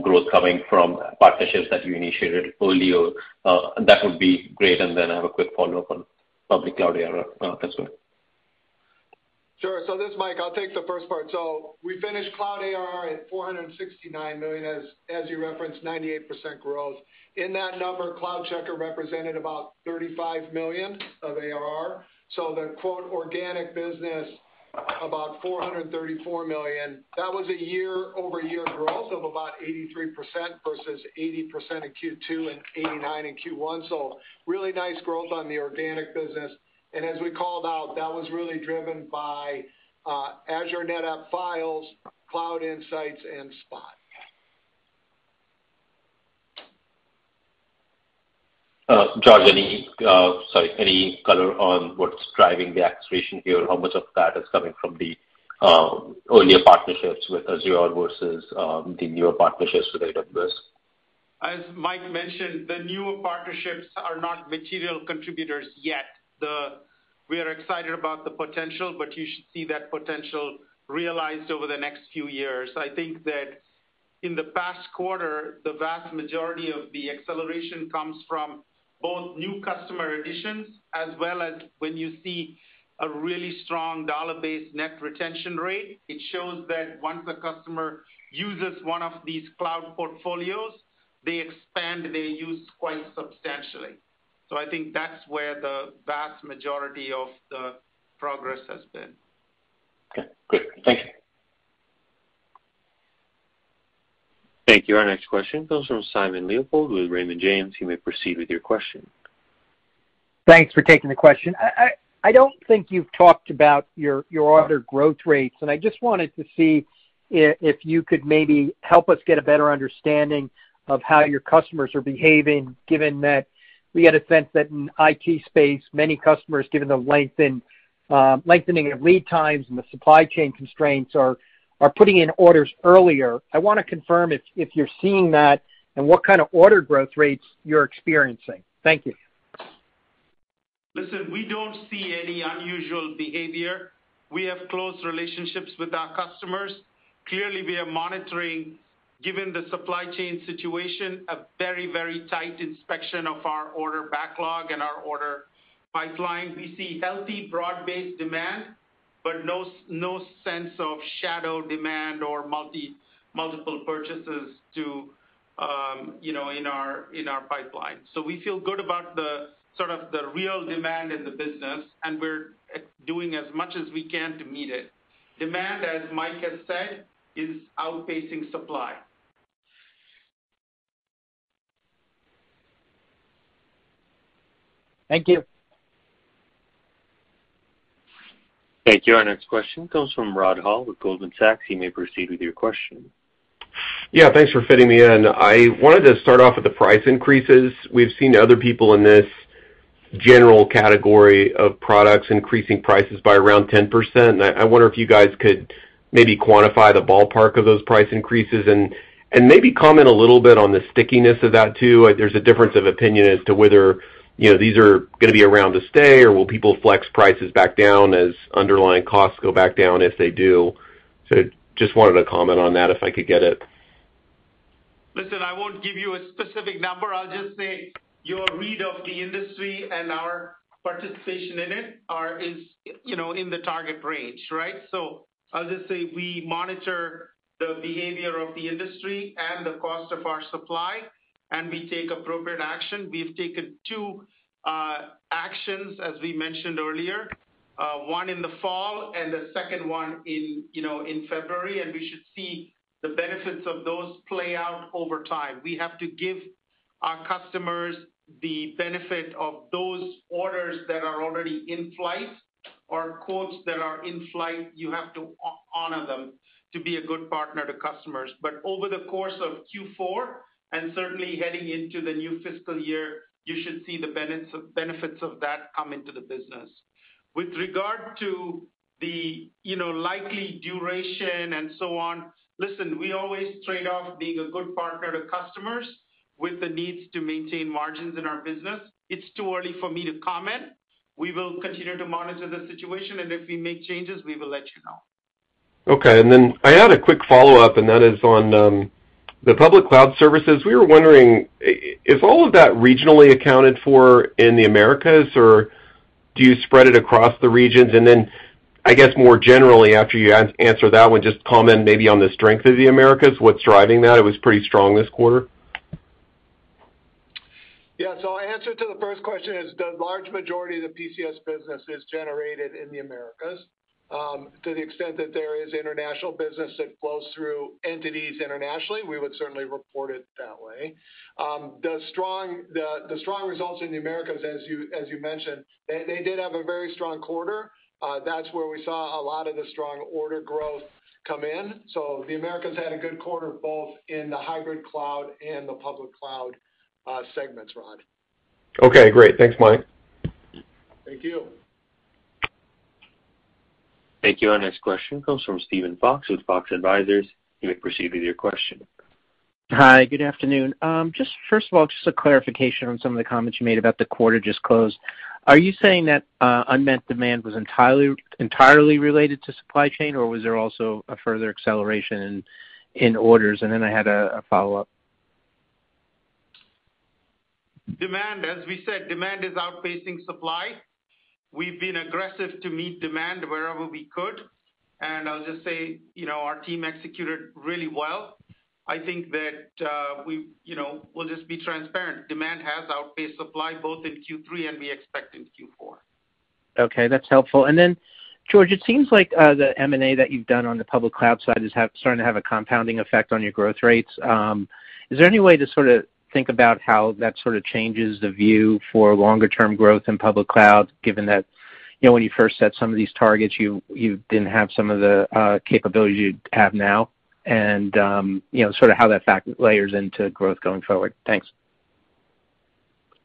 growth coming from partnerships that you initiated earlier, that would be great. I have a quick follow-up on public cloud ARR as well. Sure. This is Mike. I'll take the first part. We finished cloud ARR at $469 million, as you referenced, 98% growth. In that number, CloudCheckr represented about $35 million of ARR. The so-called organic business, about $434 million. That was a year-over-year growth of about 83% versus 80% in Q2 and 89% in Q1. Really nice growth on the organic business. As we called out, that was really driven by Azure NetApp Files, Cloud Insights and Spot. George, any color on what's driving the acceleration here? How much of that is coming from the earlier partnerships with Azure versus the newer partnerships with AWS? As Mike mentioned, the newer partnerships are not material contributors yet. We are excited about the potential, but you should see that potential realized over the next few years. I think that in the past quarter, the vast majority of the acceleration comes from both new customer additions as well as when you see a really strong dollar-based net retention rate. It shows that once a customer uses one of these cloud portfolios, they expand their use quite substantially. I think that's where the vast majority of the progress has been. Okay, great. Thank you. Thank you. Our next question comes from Simon Leopold with Raymond James. You may proceed with your question. Thanks for taking the question. I don't think you've talked about your order growth rates, and I just wanted to see if you could maybe help us get a better understanding of how your customers are behaving, given that we get a sense that in IT space, many customers, given the lengthening of lead times and the supply chain constraints, are putting in orders earlier. I wanna confirm if you're seeing that and what kind of order growth rates you're experiencing. Thank you. Listen, we don't see any unusual behavior. We have close relationships with our customers. Clearly, we are monitoring, given the supply chain situation, a very, very tight inspection of our order backlog and our order pipeline. We see healthy, broad-based demand, but no sense of shadow demand or multiple purchases to, you know, in our pipeline. So we feel good about the sort of the real demand in the business, and we're doing as much as we can to meet it. Demand, as Mike has said, is outpacing supply. Thank you. Thank you. Our next question comes from Rod Hall with Goldman Sachs. You may proceed with your question. Yeah, thanks for fitting me in. I wanted to start off with the price increases. We've seen other people in this general category of products increasing prices by around 10%. I wonder if you guys could maybe quantify the ballpark of those price increases and maybe comment a little bit on the stickiness of that too. There's a difference of opinion as to whether, you know, these are gonna be around to stay or will people flex prices back down as underlying costs go back down if they do. Just wanted to comment on that, if I could get it. Listen, I won't give you a specific number. I'll just say your read of the industry and our participation in it is, you know, in the target range, right? I'll just say we monitor the behavior of the industry and the cost of our supply, and we take appropriate action. We've taken two actions as we mentioned earlier, one in the fall and the second one in, you know, in February, and we should see the benefits of those play out over time. We have to give our customers the benefit of those orders that are already in flight or quotes that are in flight. You have to honor them to be a good partner to customers. Over the course of Q4, and certainly heading into the new fiscal year, you should see the benefits of that come into the business. With regard to the, you know, likely duration and so on, listen, we always trade off being a good partner to customers with the needs to maintain margins in our business. It's too early for me to comment. We will continue to monitor the situation, and if we make changes, we will let you know. Okay. Then I had a quick follow-up, and that is on the public cloud services. We were wondering, is all of that regionally accounted for in the Americas, or do you spread it across the regions? I guess, more generally, after you answer that one, just comment maybe on the strength of the Americas, what's driving that. It was pretty strong this quarter. Yeah. I answer to the first question is the large majority of the PCS business is generated in the Americas. To the extent that there is international business that flows through entities internationally, we would certainly report it that way. The strong results in the Americas, as you mentioned, they did have a very strong quarter. That's where we saw a lot of the strong order growth come in. The Americas had a good quarter, both in the Hybrid Cloud and the Public Cloud segments, Rod. Okay, great. Thanks, Mike. Thank you. Thank you. Our next question comes from Steven Fox with Fox Advisors. You may proceed with your question. Hi, good afternoon. Just first of all, just a clarification on some of the comments you made about the quarter just closed. Are you saying that unmet demand was entirely related to supply chain, or was there also a further acceleration in orders? I had a follow-up. Demand, as we said, demand is outpacing supply. We've been aggressive to meet demand wherever we could, and I'll just say, you know, our team executed really well. I think that we, you know, we'll just be transparent. Demand has outpaced supply both in Q3, and we expect in Q4. Okay, that's helpful. George, it seems like the M&A that you've done on the public cloud side is starting to have a compounding effect on your growth rates. Is there any way to sort of think about how that sort of changes the view for longer term growth in public cloud, given that when you first set some of these targets, you didn't have some of the capabilities you have now, and sort of how that fact layers into growth going forward? Thanks.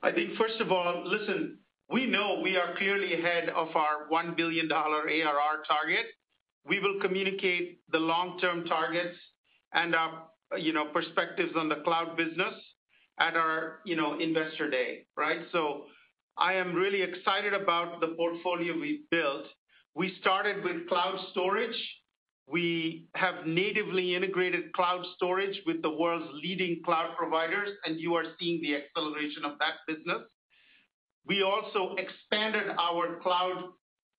I think first of all, listen, we know we are clearly ahead of our $1 billion ARR target. We will communicate the long-term targets and our, you know, perspectives on the cloud business at our, you know, Investor Day, right? I am really excited about the portfolio we've built. We started with cloud storage. We have natively integrated cloud storage with the world's leading cloud providers, and you are seeing the acceleration of that business. We also expanded our cloud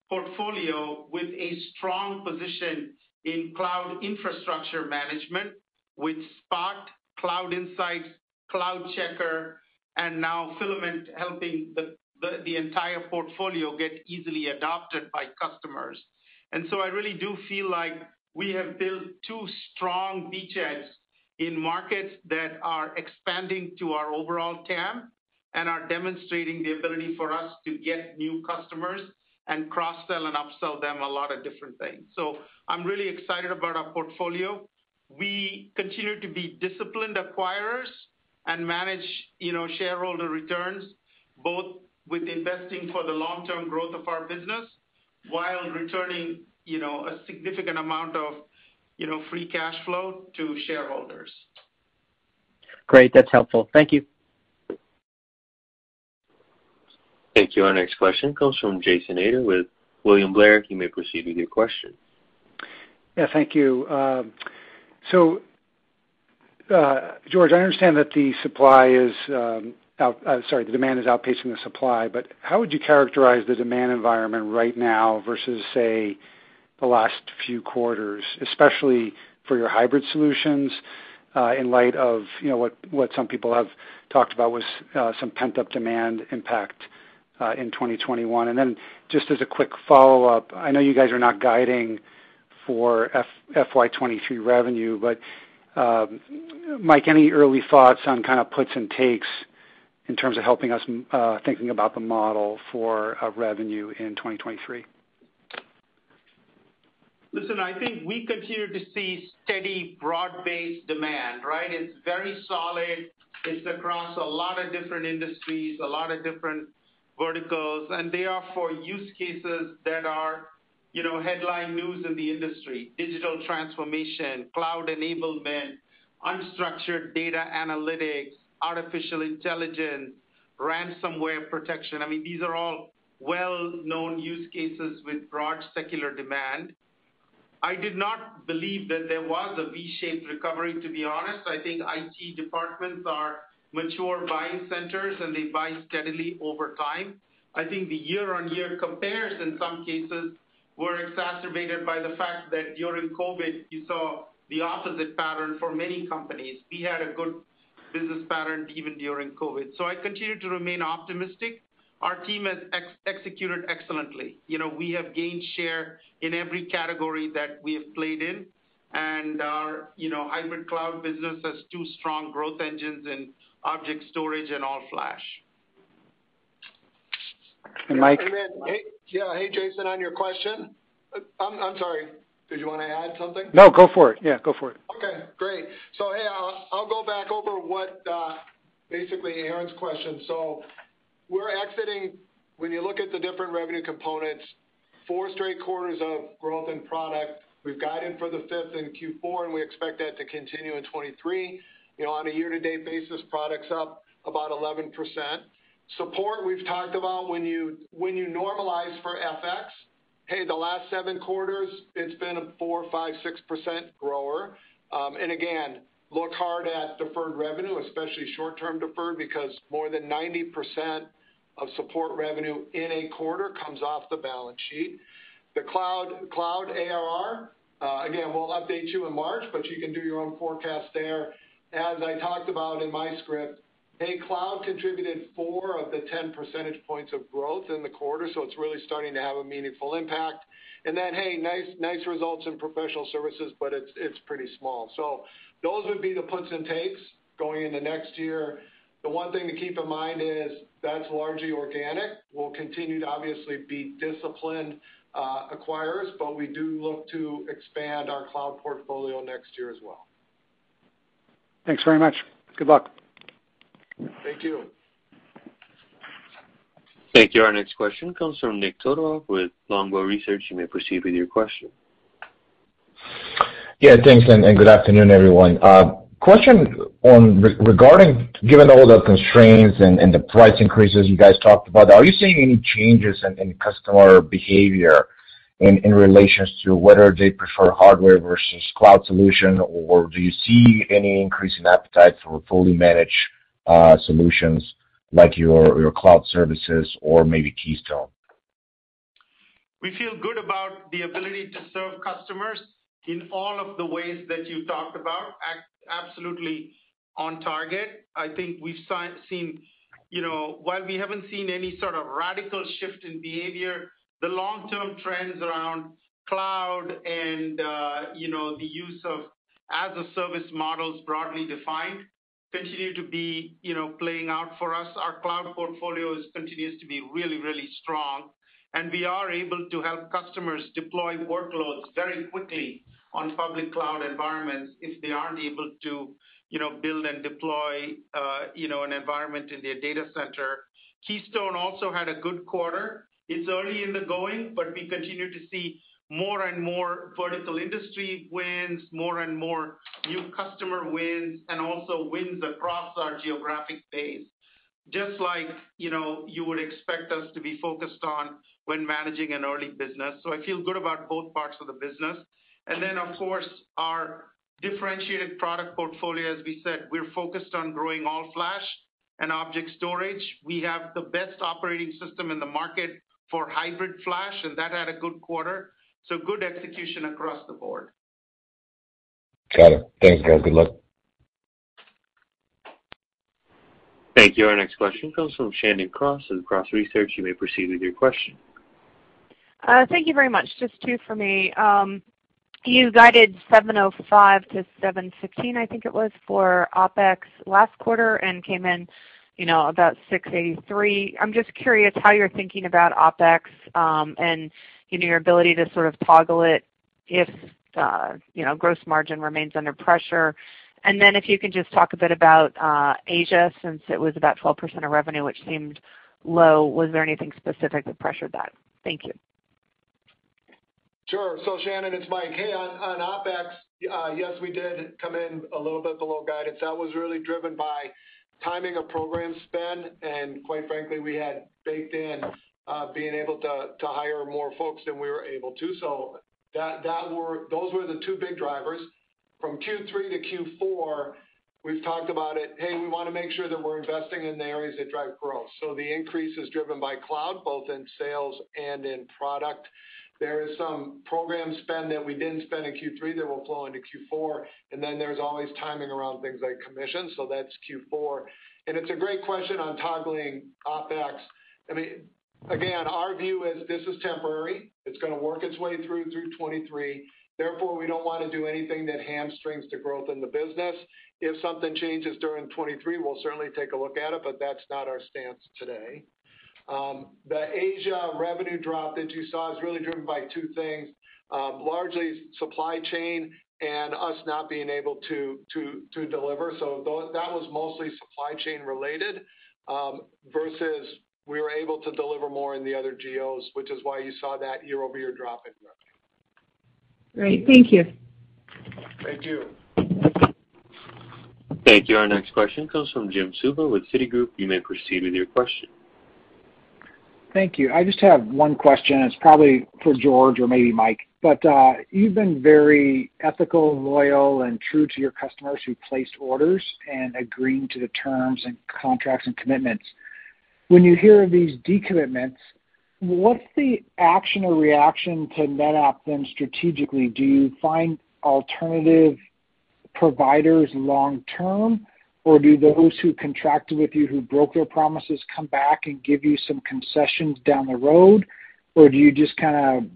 portfolio with a strong position in cloud infrastructure management with Spot, Cloud Insights, CloudCheckr, and now Fylamynt helping the entire portfolio get easily adopted by customers. I really do feel like we have built two strong beachheads in markets that are expanding to our overall TAM and are demonstrating the ability for us to get new customers and cross-sell and upsell them a lot of different things. I'm really excited about our portfolio. We continue to be disciplined acquirers and manage, you know, shareholder returns, both with investing for the long-term growth of our business while returning, you know, a significant amount of, you know, free cash flow to shareholders. Great. That's helpful. Thank you. Thank you. Our next question comes from Jason Ader with William Blair. You may proceed with your question. Yeah, thank you. So, George, I understand that the demand is outpacing the supply, but how would you characterize the demand environment right now versus, say, the last few quarters, especially for your hybrid solutions, in light of, you know, what some people have talked about was some pent-up demand impact in 2021? Then just as a quick follow-up, I know you guys are not guiding for FY 2023 revenue, but, Mike, any early thoughts on kind of puts and takes in terms of helping us thinking about the model for revenue in 2023? Listen, I think we continue to see steady broad-based demand, right? It's very solid. It's across a lot of different industries, a lot of different verticals. They are for use cases that are, you know, headline news in the industry, digital transformation, cloud enablement, unstructured data analytics, artificial intelligence, ransomware protection. I mean, these are all well-known use cases with broad secular demand. I did not believe that there was a V-shaped recovery, to be honest. I think IT departments are mature buying centers, and they buy steadily over time. I think the year-on-year compares in some cases were exacerbated by the fact that during COVID, you saw the opposite pattern for many companies. We had a good business pattern even during COVID. I continue to remain optimistic. Our team has executed excellently. You know, we have gained share in every category that we have played in. Our you know, hybrid cloud business has two strong growth engines in object storage and all-flash. Mike. Hey, yeah. Hey, Jason, on your question. I'm sorry, did you wanna add something? No, go for it. Yeah, go for it. Okay, great. Hey, I'll go back over what basically Aaron's question. We're exiting, when you look at the different revenue components, four straight quarters of growth in product. We've guided for the fifth in Q4, and we expect that to continue in 2023. You know, on a year-to-date basis, product's up about 11%. Support, we've talked about when you normalize for FX, hey, the last seven quarters, it's been a 4%, 5%, 6% grower. And again, look hard at deferred revenue, especially short-term deferred, because more than 90% of support revenue in a quarter comes off the balance sheet. The cloud ARR, again, we'll update you in March, but you can do your own forecast there. As I talked about in my script, hey, cloud contributed 4 of the 10 percentage points of growth in the quarter, so it's really starting to have a meaningful impact. Then, hey, nice results in professional services, but it's pretty small. Those would be the puts and takes going into next year. The one thing to keep in mind is that's largely organic. We'll continue to obviously be disciplined acquirers, but we do look to expand our cloud portfolio next year as well. Thanks very much. Good luck. Thank you. Thank you. Our next question comes from Nikolay Todorov with Longbow Research. You may proceed with your question. Yeah, thanks, and good afternoon, everyone. Question on regarding given all the constraints and the price increases you guys talked about, are you seeing any changes in customer behavior in relations to whether they prefer hardware versus cloud solution? Or do you see any increase in appetite for fully managed solutions like your cloud services or maybe Keystone? We feel good about the ability to serve customers in all of the ways that you talked about. Absolutely on target. I think we've seen. You know, while we haven't seen any sort of radical shift in behavior, the long-term trends around cloud and, you know, the use of as-a-service models broadly defined continue to be, you know, playing out for us. Our cloud portfolio continues to be really, really strong, and we are able to help customers deploy workloads very quickly on public cloud environments if they aren't able to, you know, build and deploy, you know, an environment in their data center. Keystone also had a good quarter. It's early in the going, but we continue to see more and more vertical industry wins, more and more new customer wins, and also wins across our geographic base. Just like, you know, you would expect us to be focused on when managing an early business. I feel good about both parts of the business. Of course, our differentiated product portfolio, as we said, we're focused on growing all-flash and object storage. We have the best operating system in the market for hybrid flash, and that had a good quarter, so good execution across the board. Got it. Thanks, guys. Good luck. Thank you. Our next question comes from Shannon Cross of Cross Research. You may proceed with your question. Thank you very much. Just two for me. You guided $705-$716, I think it was, for OPEX last quarter and came in, you know, about $683. I'm just curious how you're thinking about OPEX, and, you know, your ability to sort of toggle it if the, you know, gross margin remains under pressure. Then if you could just talk a bit about Asia, since it was about 12% of revenue, which seemed low. Was there anything specific that pressured that? Thank you. Sure. Shannon, it's Mike. Hey, on OpEx, yes, we did come in a little bit below guidance. That was really driven by timing of program spend, and quite frankly, we had baked in being able to hire more folks than we were able to. Those were the two big drivers. From Q3-Q4, we've talked about it. Hey, we wanna make sure that we're investing in the areas that drive growth. The increase is driven by cloud, both in sales and in product. There is some program spend that we didn't spend in Q3 that will flow into Q4, and then there's always timing around things like commission, so that's Q4. It's a great question on toggling OpEx. I mean, again, our view is this is temporary. It's gonna work its way through 2023. Therefore, we don't wanna do anything that hamstrings the growth in the business. If something changes during 2023, we'll certainly take a look at it, but that's not our stance today. The Asia revenue drop that you saw is really driven by two things, largely supply chain and us not being able to deliver. That was mostly supply chain related, versus we were able to deliver more in the other geos, which is why you saw that year-over-year drop in revenue. Great. Thank you. Thank you. Thank you. Our next question comes from Jim Suva with Citigroup. You may proceed with your question. Thank you. I just have one question, and it's probably for George or maybe Mike. You've been very ethical, loyal, and true to your customers who placed orders and agreeing to the terms and contracts and commitments. When you hear of these decommitments, what's the action or reaction to NetApp then strategically? Do you find alternative-- Providers long term, or do those who contracted with you who broke their promises come back and give you some concessions down the road? Or do you just kind of,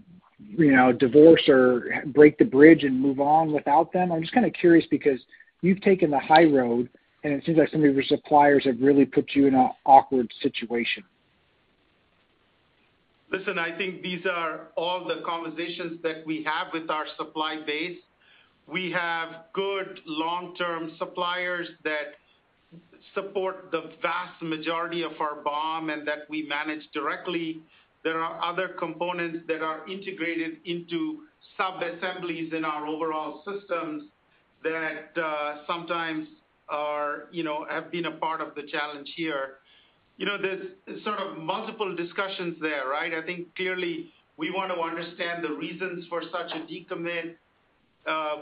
you know, divorce or break the bridge and move on without them? I'm just kind of curious because you've taken the high road, and it seems like some of your suppliers have really put you in an awkward situation. Listen, I think these are all the conversations that we have with our supply base. We have good long-term suppliers that support the vast majority of our BOM and that we manage directly. There are other components that are integrated into subassemblies in our overall systems that sometimes are, you know, have been a part of the challenge here. You know, there's sort of multiple discussions there, right? I think clearly we want to understand the reasons for such a decommit.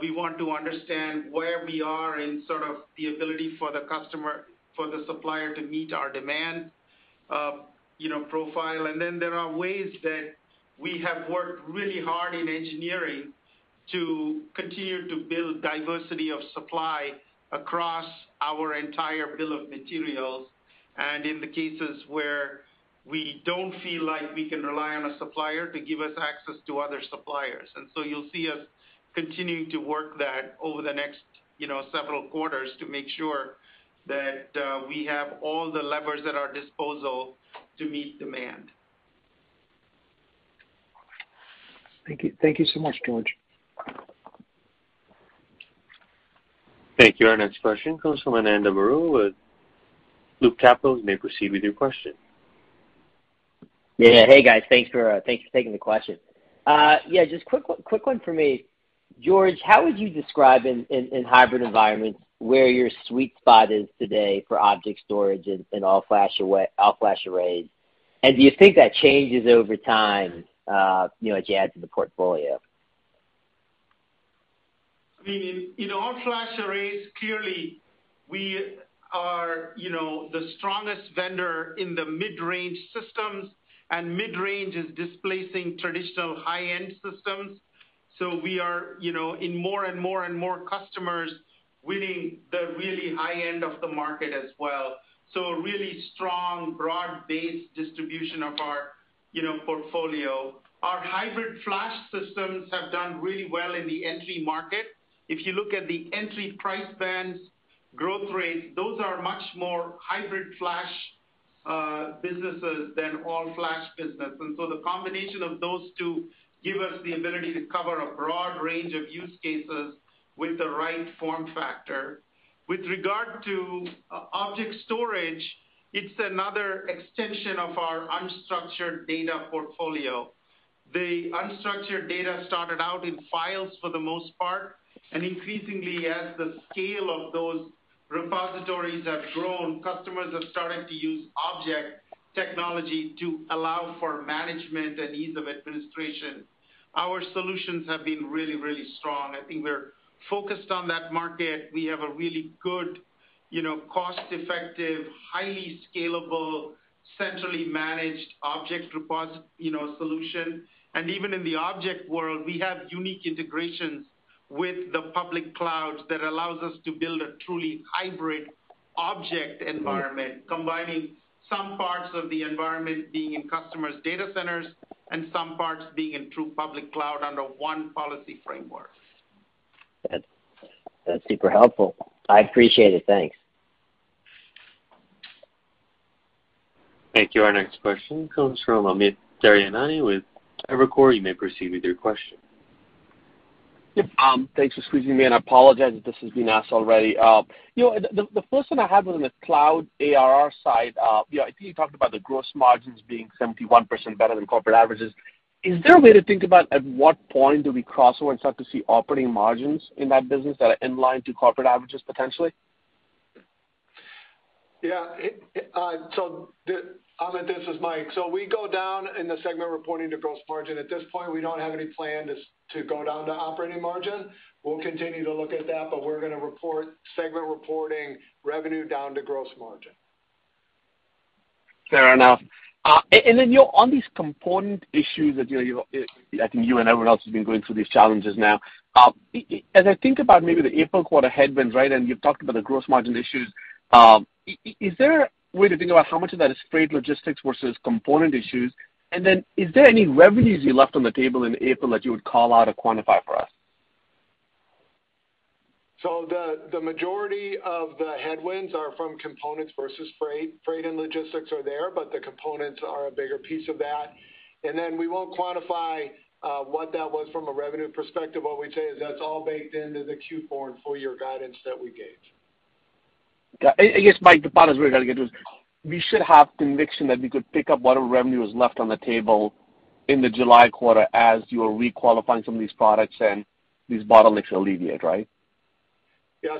We want to understand where we are in sort of the ability for the supplier to meet our demand, you know, profile. There are ways that we have worked really hard in engineering to continue to build diversity of supply across our entire bill of materials, and in the cases where we don't feel like we can rely on a supplier to give us access to other suppliers. You'll see us continuing to work that over the next, you know, several quarters to make sure that we have all the levers at our disposal to meet demand. Thank you. Thank you so much, George. Thank you. Our next question comes from Ananda Baruah with Loop Capital. You may proceed with your question. Yeah. Hey, guys. Thanks for taking the question. Yeah, just quick one for me. George, how would you describe in hybrid environments where your sweet spot is today for object storage and all-flash arrays? Do you think that changes over time, you know, as you add to the portfolio? I mean, in all-flash arrays, clearly we are, you know, the strongest vendor in the mid-range systems, and mid-range is displacing traditional high-end systems. We are, you know, in more and more and more customers winning the really high end of the market as well. A really strong broad-based distribution of our, you know, portfolio. Our hybrid flash systems have done really well in the entry market. If you look at the entry price bands growth rates, those are much more hybrid flash businesses than all-flash business. The combination of those two give us the ability to cover a broad range of use cases with the right form factor. With regard to object storage, it's another extension of our unstructured data portfolio. The unstructured data started out in files for the most part, and increasingly as the scale of those repositories have grown, customers have started to use object technology to allow for management and ease of administration. Our solutions have been really, really strong. I think we're focused on that market. We have a really good, you know, cost-effective, highly scalable, centrally managed object, you know, solution. Even in the object world, we have unique integrations with the public clouds that allows us to build a truly hybrid object environment, combining some parts of the environment being in customers' data centers and some parts being in true public cloud under one policy framework. That's super helpful. I appreciate it. Thanks. Thank you. Our next question comes from Amit Daryanani with Evercore. You may proceed with your question. Yep, thanks for squeezing me in. I apologize if this has been asked already. The first one I had was on the cloud ARR side. I think you talked about the gross margins being 71% better than corporate averages. Is there a way to think about at what point do we cross over and start to see operating margins in that business that are in line to corporate averages potentially? Amit, this is Mike. We go down in the segment reporting to gross margin. At this point, we don't have any plan to go down to operating margin. We'll continue to look at that, but we're gonna report segment reporting revenue down to gross margin. Fair enough. You know, on these component issues that, you know, you I think you and everyone else has been going through these challenges now. As I think about maybe the April quarter headwinds, right, and you've talked about the gross margin issues, is there a way to think about how much of that is freight logistics versus component issues? Then is there any revenues you left on the table in April that you would call out or quantify for us? The majority of the headwinds are from components versus freight. Freight and logistics are there, but the components are a bigger piece of that. We won't quantify what that was from a revenue perspective. What we'd say is that's all baked into the Q4 and full-year guidance that we gave. Got it. I guess, Mike, the point I was really trying to get to is we should have conviction that we could pick up whatever revenue was left on the table in the July quarter as you're re-qualifying some of these products and these bottlenecks alleviate, right? Yeah,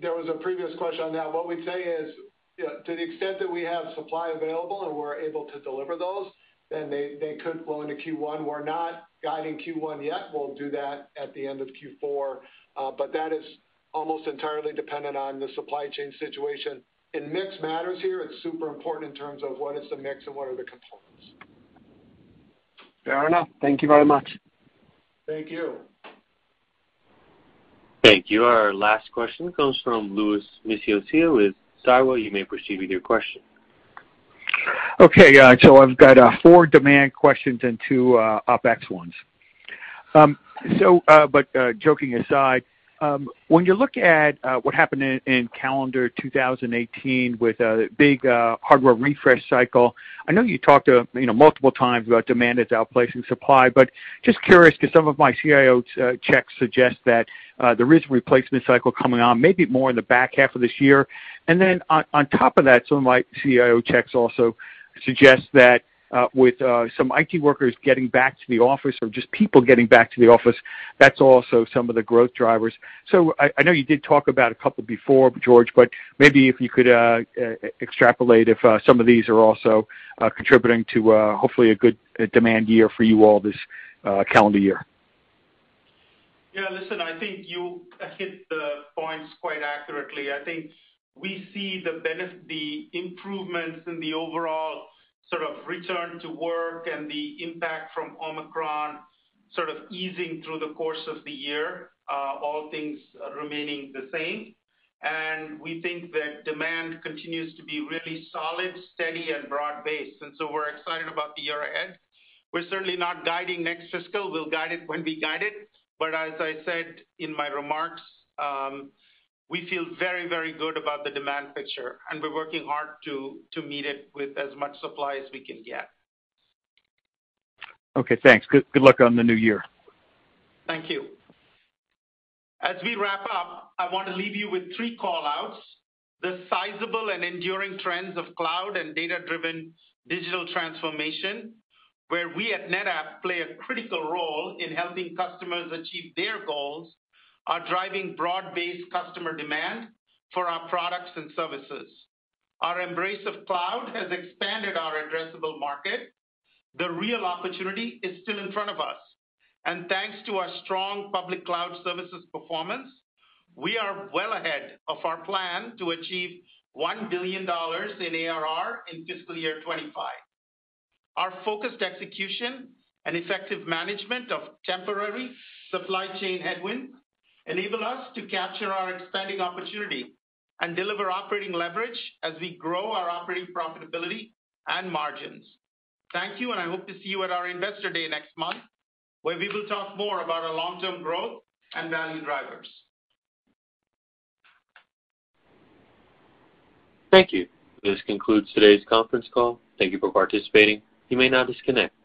there was a previous question on that. What we'd say is, you know, to the extent that we have supply available and we're able to deliver those, then they could flow into Q1. We're not guiding Q1 yet. We'll do that at the end of Q4, but that is almost entirely dependent on the supply chain situation. Mix matters here. It's super important in terms of what is the mix and what are the components. Fair enough. Thank you very much. Thank you. Thank you. Our last question comes from Louis Miscioscia with Daiwa. You may proceed with your question. Okay. Yeah. I've got four demand questions and two OPEX ones. Joking aside, when you look at what happened in calendar 2018 with a big hardware refresh cycle, I know you talked, you know, multiple times about demand outpacing supply, but just curious because some of my CIO checks suggest that there is a replacement cycle coming on maybe more in the back half of this year. On top of that, some of my CIO checks also suggest that with some IT workers getting back to the office or just people getting back to the office, that's also some of the growth drivers. I know you did talk about a couple before, George, but maybe if you could extrapolate if some of these are also contributing to hopefully a good demand year for you all this calendar year. Yeah. Listen, I think you hit the points quite accurately. I think we see the improvements in the overall sort of return to work and the impact from Omicron sort of easing through the course of the year, all things remaining the same. We think that demand continues to be really solid, steady, and broad-based, and so we're excited about the year ahead. We're certainly not guiding next fiscal. We'll guide it when we guide it. But as I said in my remarks, we feel very, very good about the demand picture, and we're working hard to meet it with as much supply as we can get. Okay, thanks. Good luck on the new year. Thank you. As we wrap up, I wanna leave you with three call-outs. The sizable and enduring trends of cloud and data-driven digital transformation, where we at NetApp play a critical role in helping customers achieve their goals, are driving broad-based customer demand for our products and services. Our embrace of cloud has expanded our addressable market. The real opportunity is still in front of us. Thanks to our strong public cloud services performance, we are well ahead of our plan to achieve $1 billion in ARR in fiscal year 2025. Our focused execution and effective management of temporary supply chain headwinds enable us to capture our expanding opportunity and deliver operating leverage as we grow our operating profitability and margins. Thank you, and I hope to see you at our Investor Day next month, where we will talk more about our long-term growth and value drivers. Thank you. This concludes today's conference call. Thank you for participating. You may now disconnect.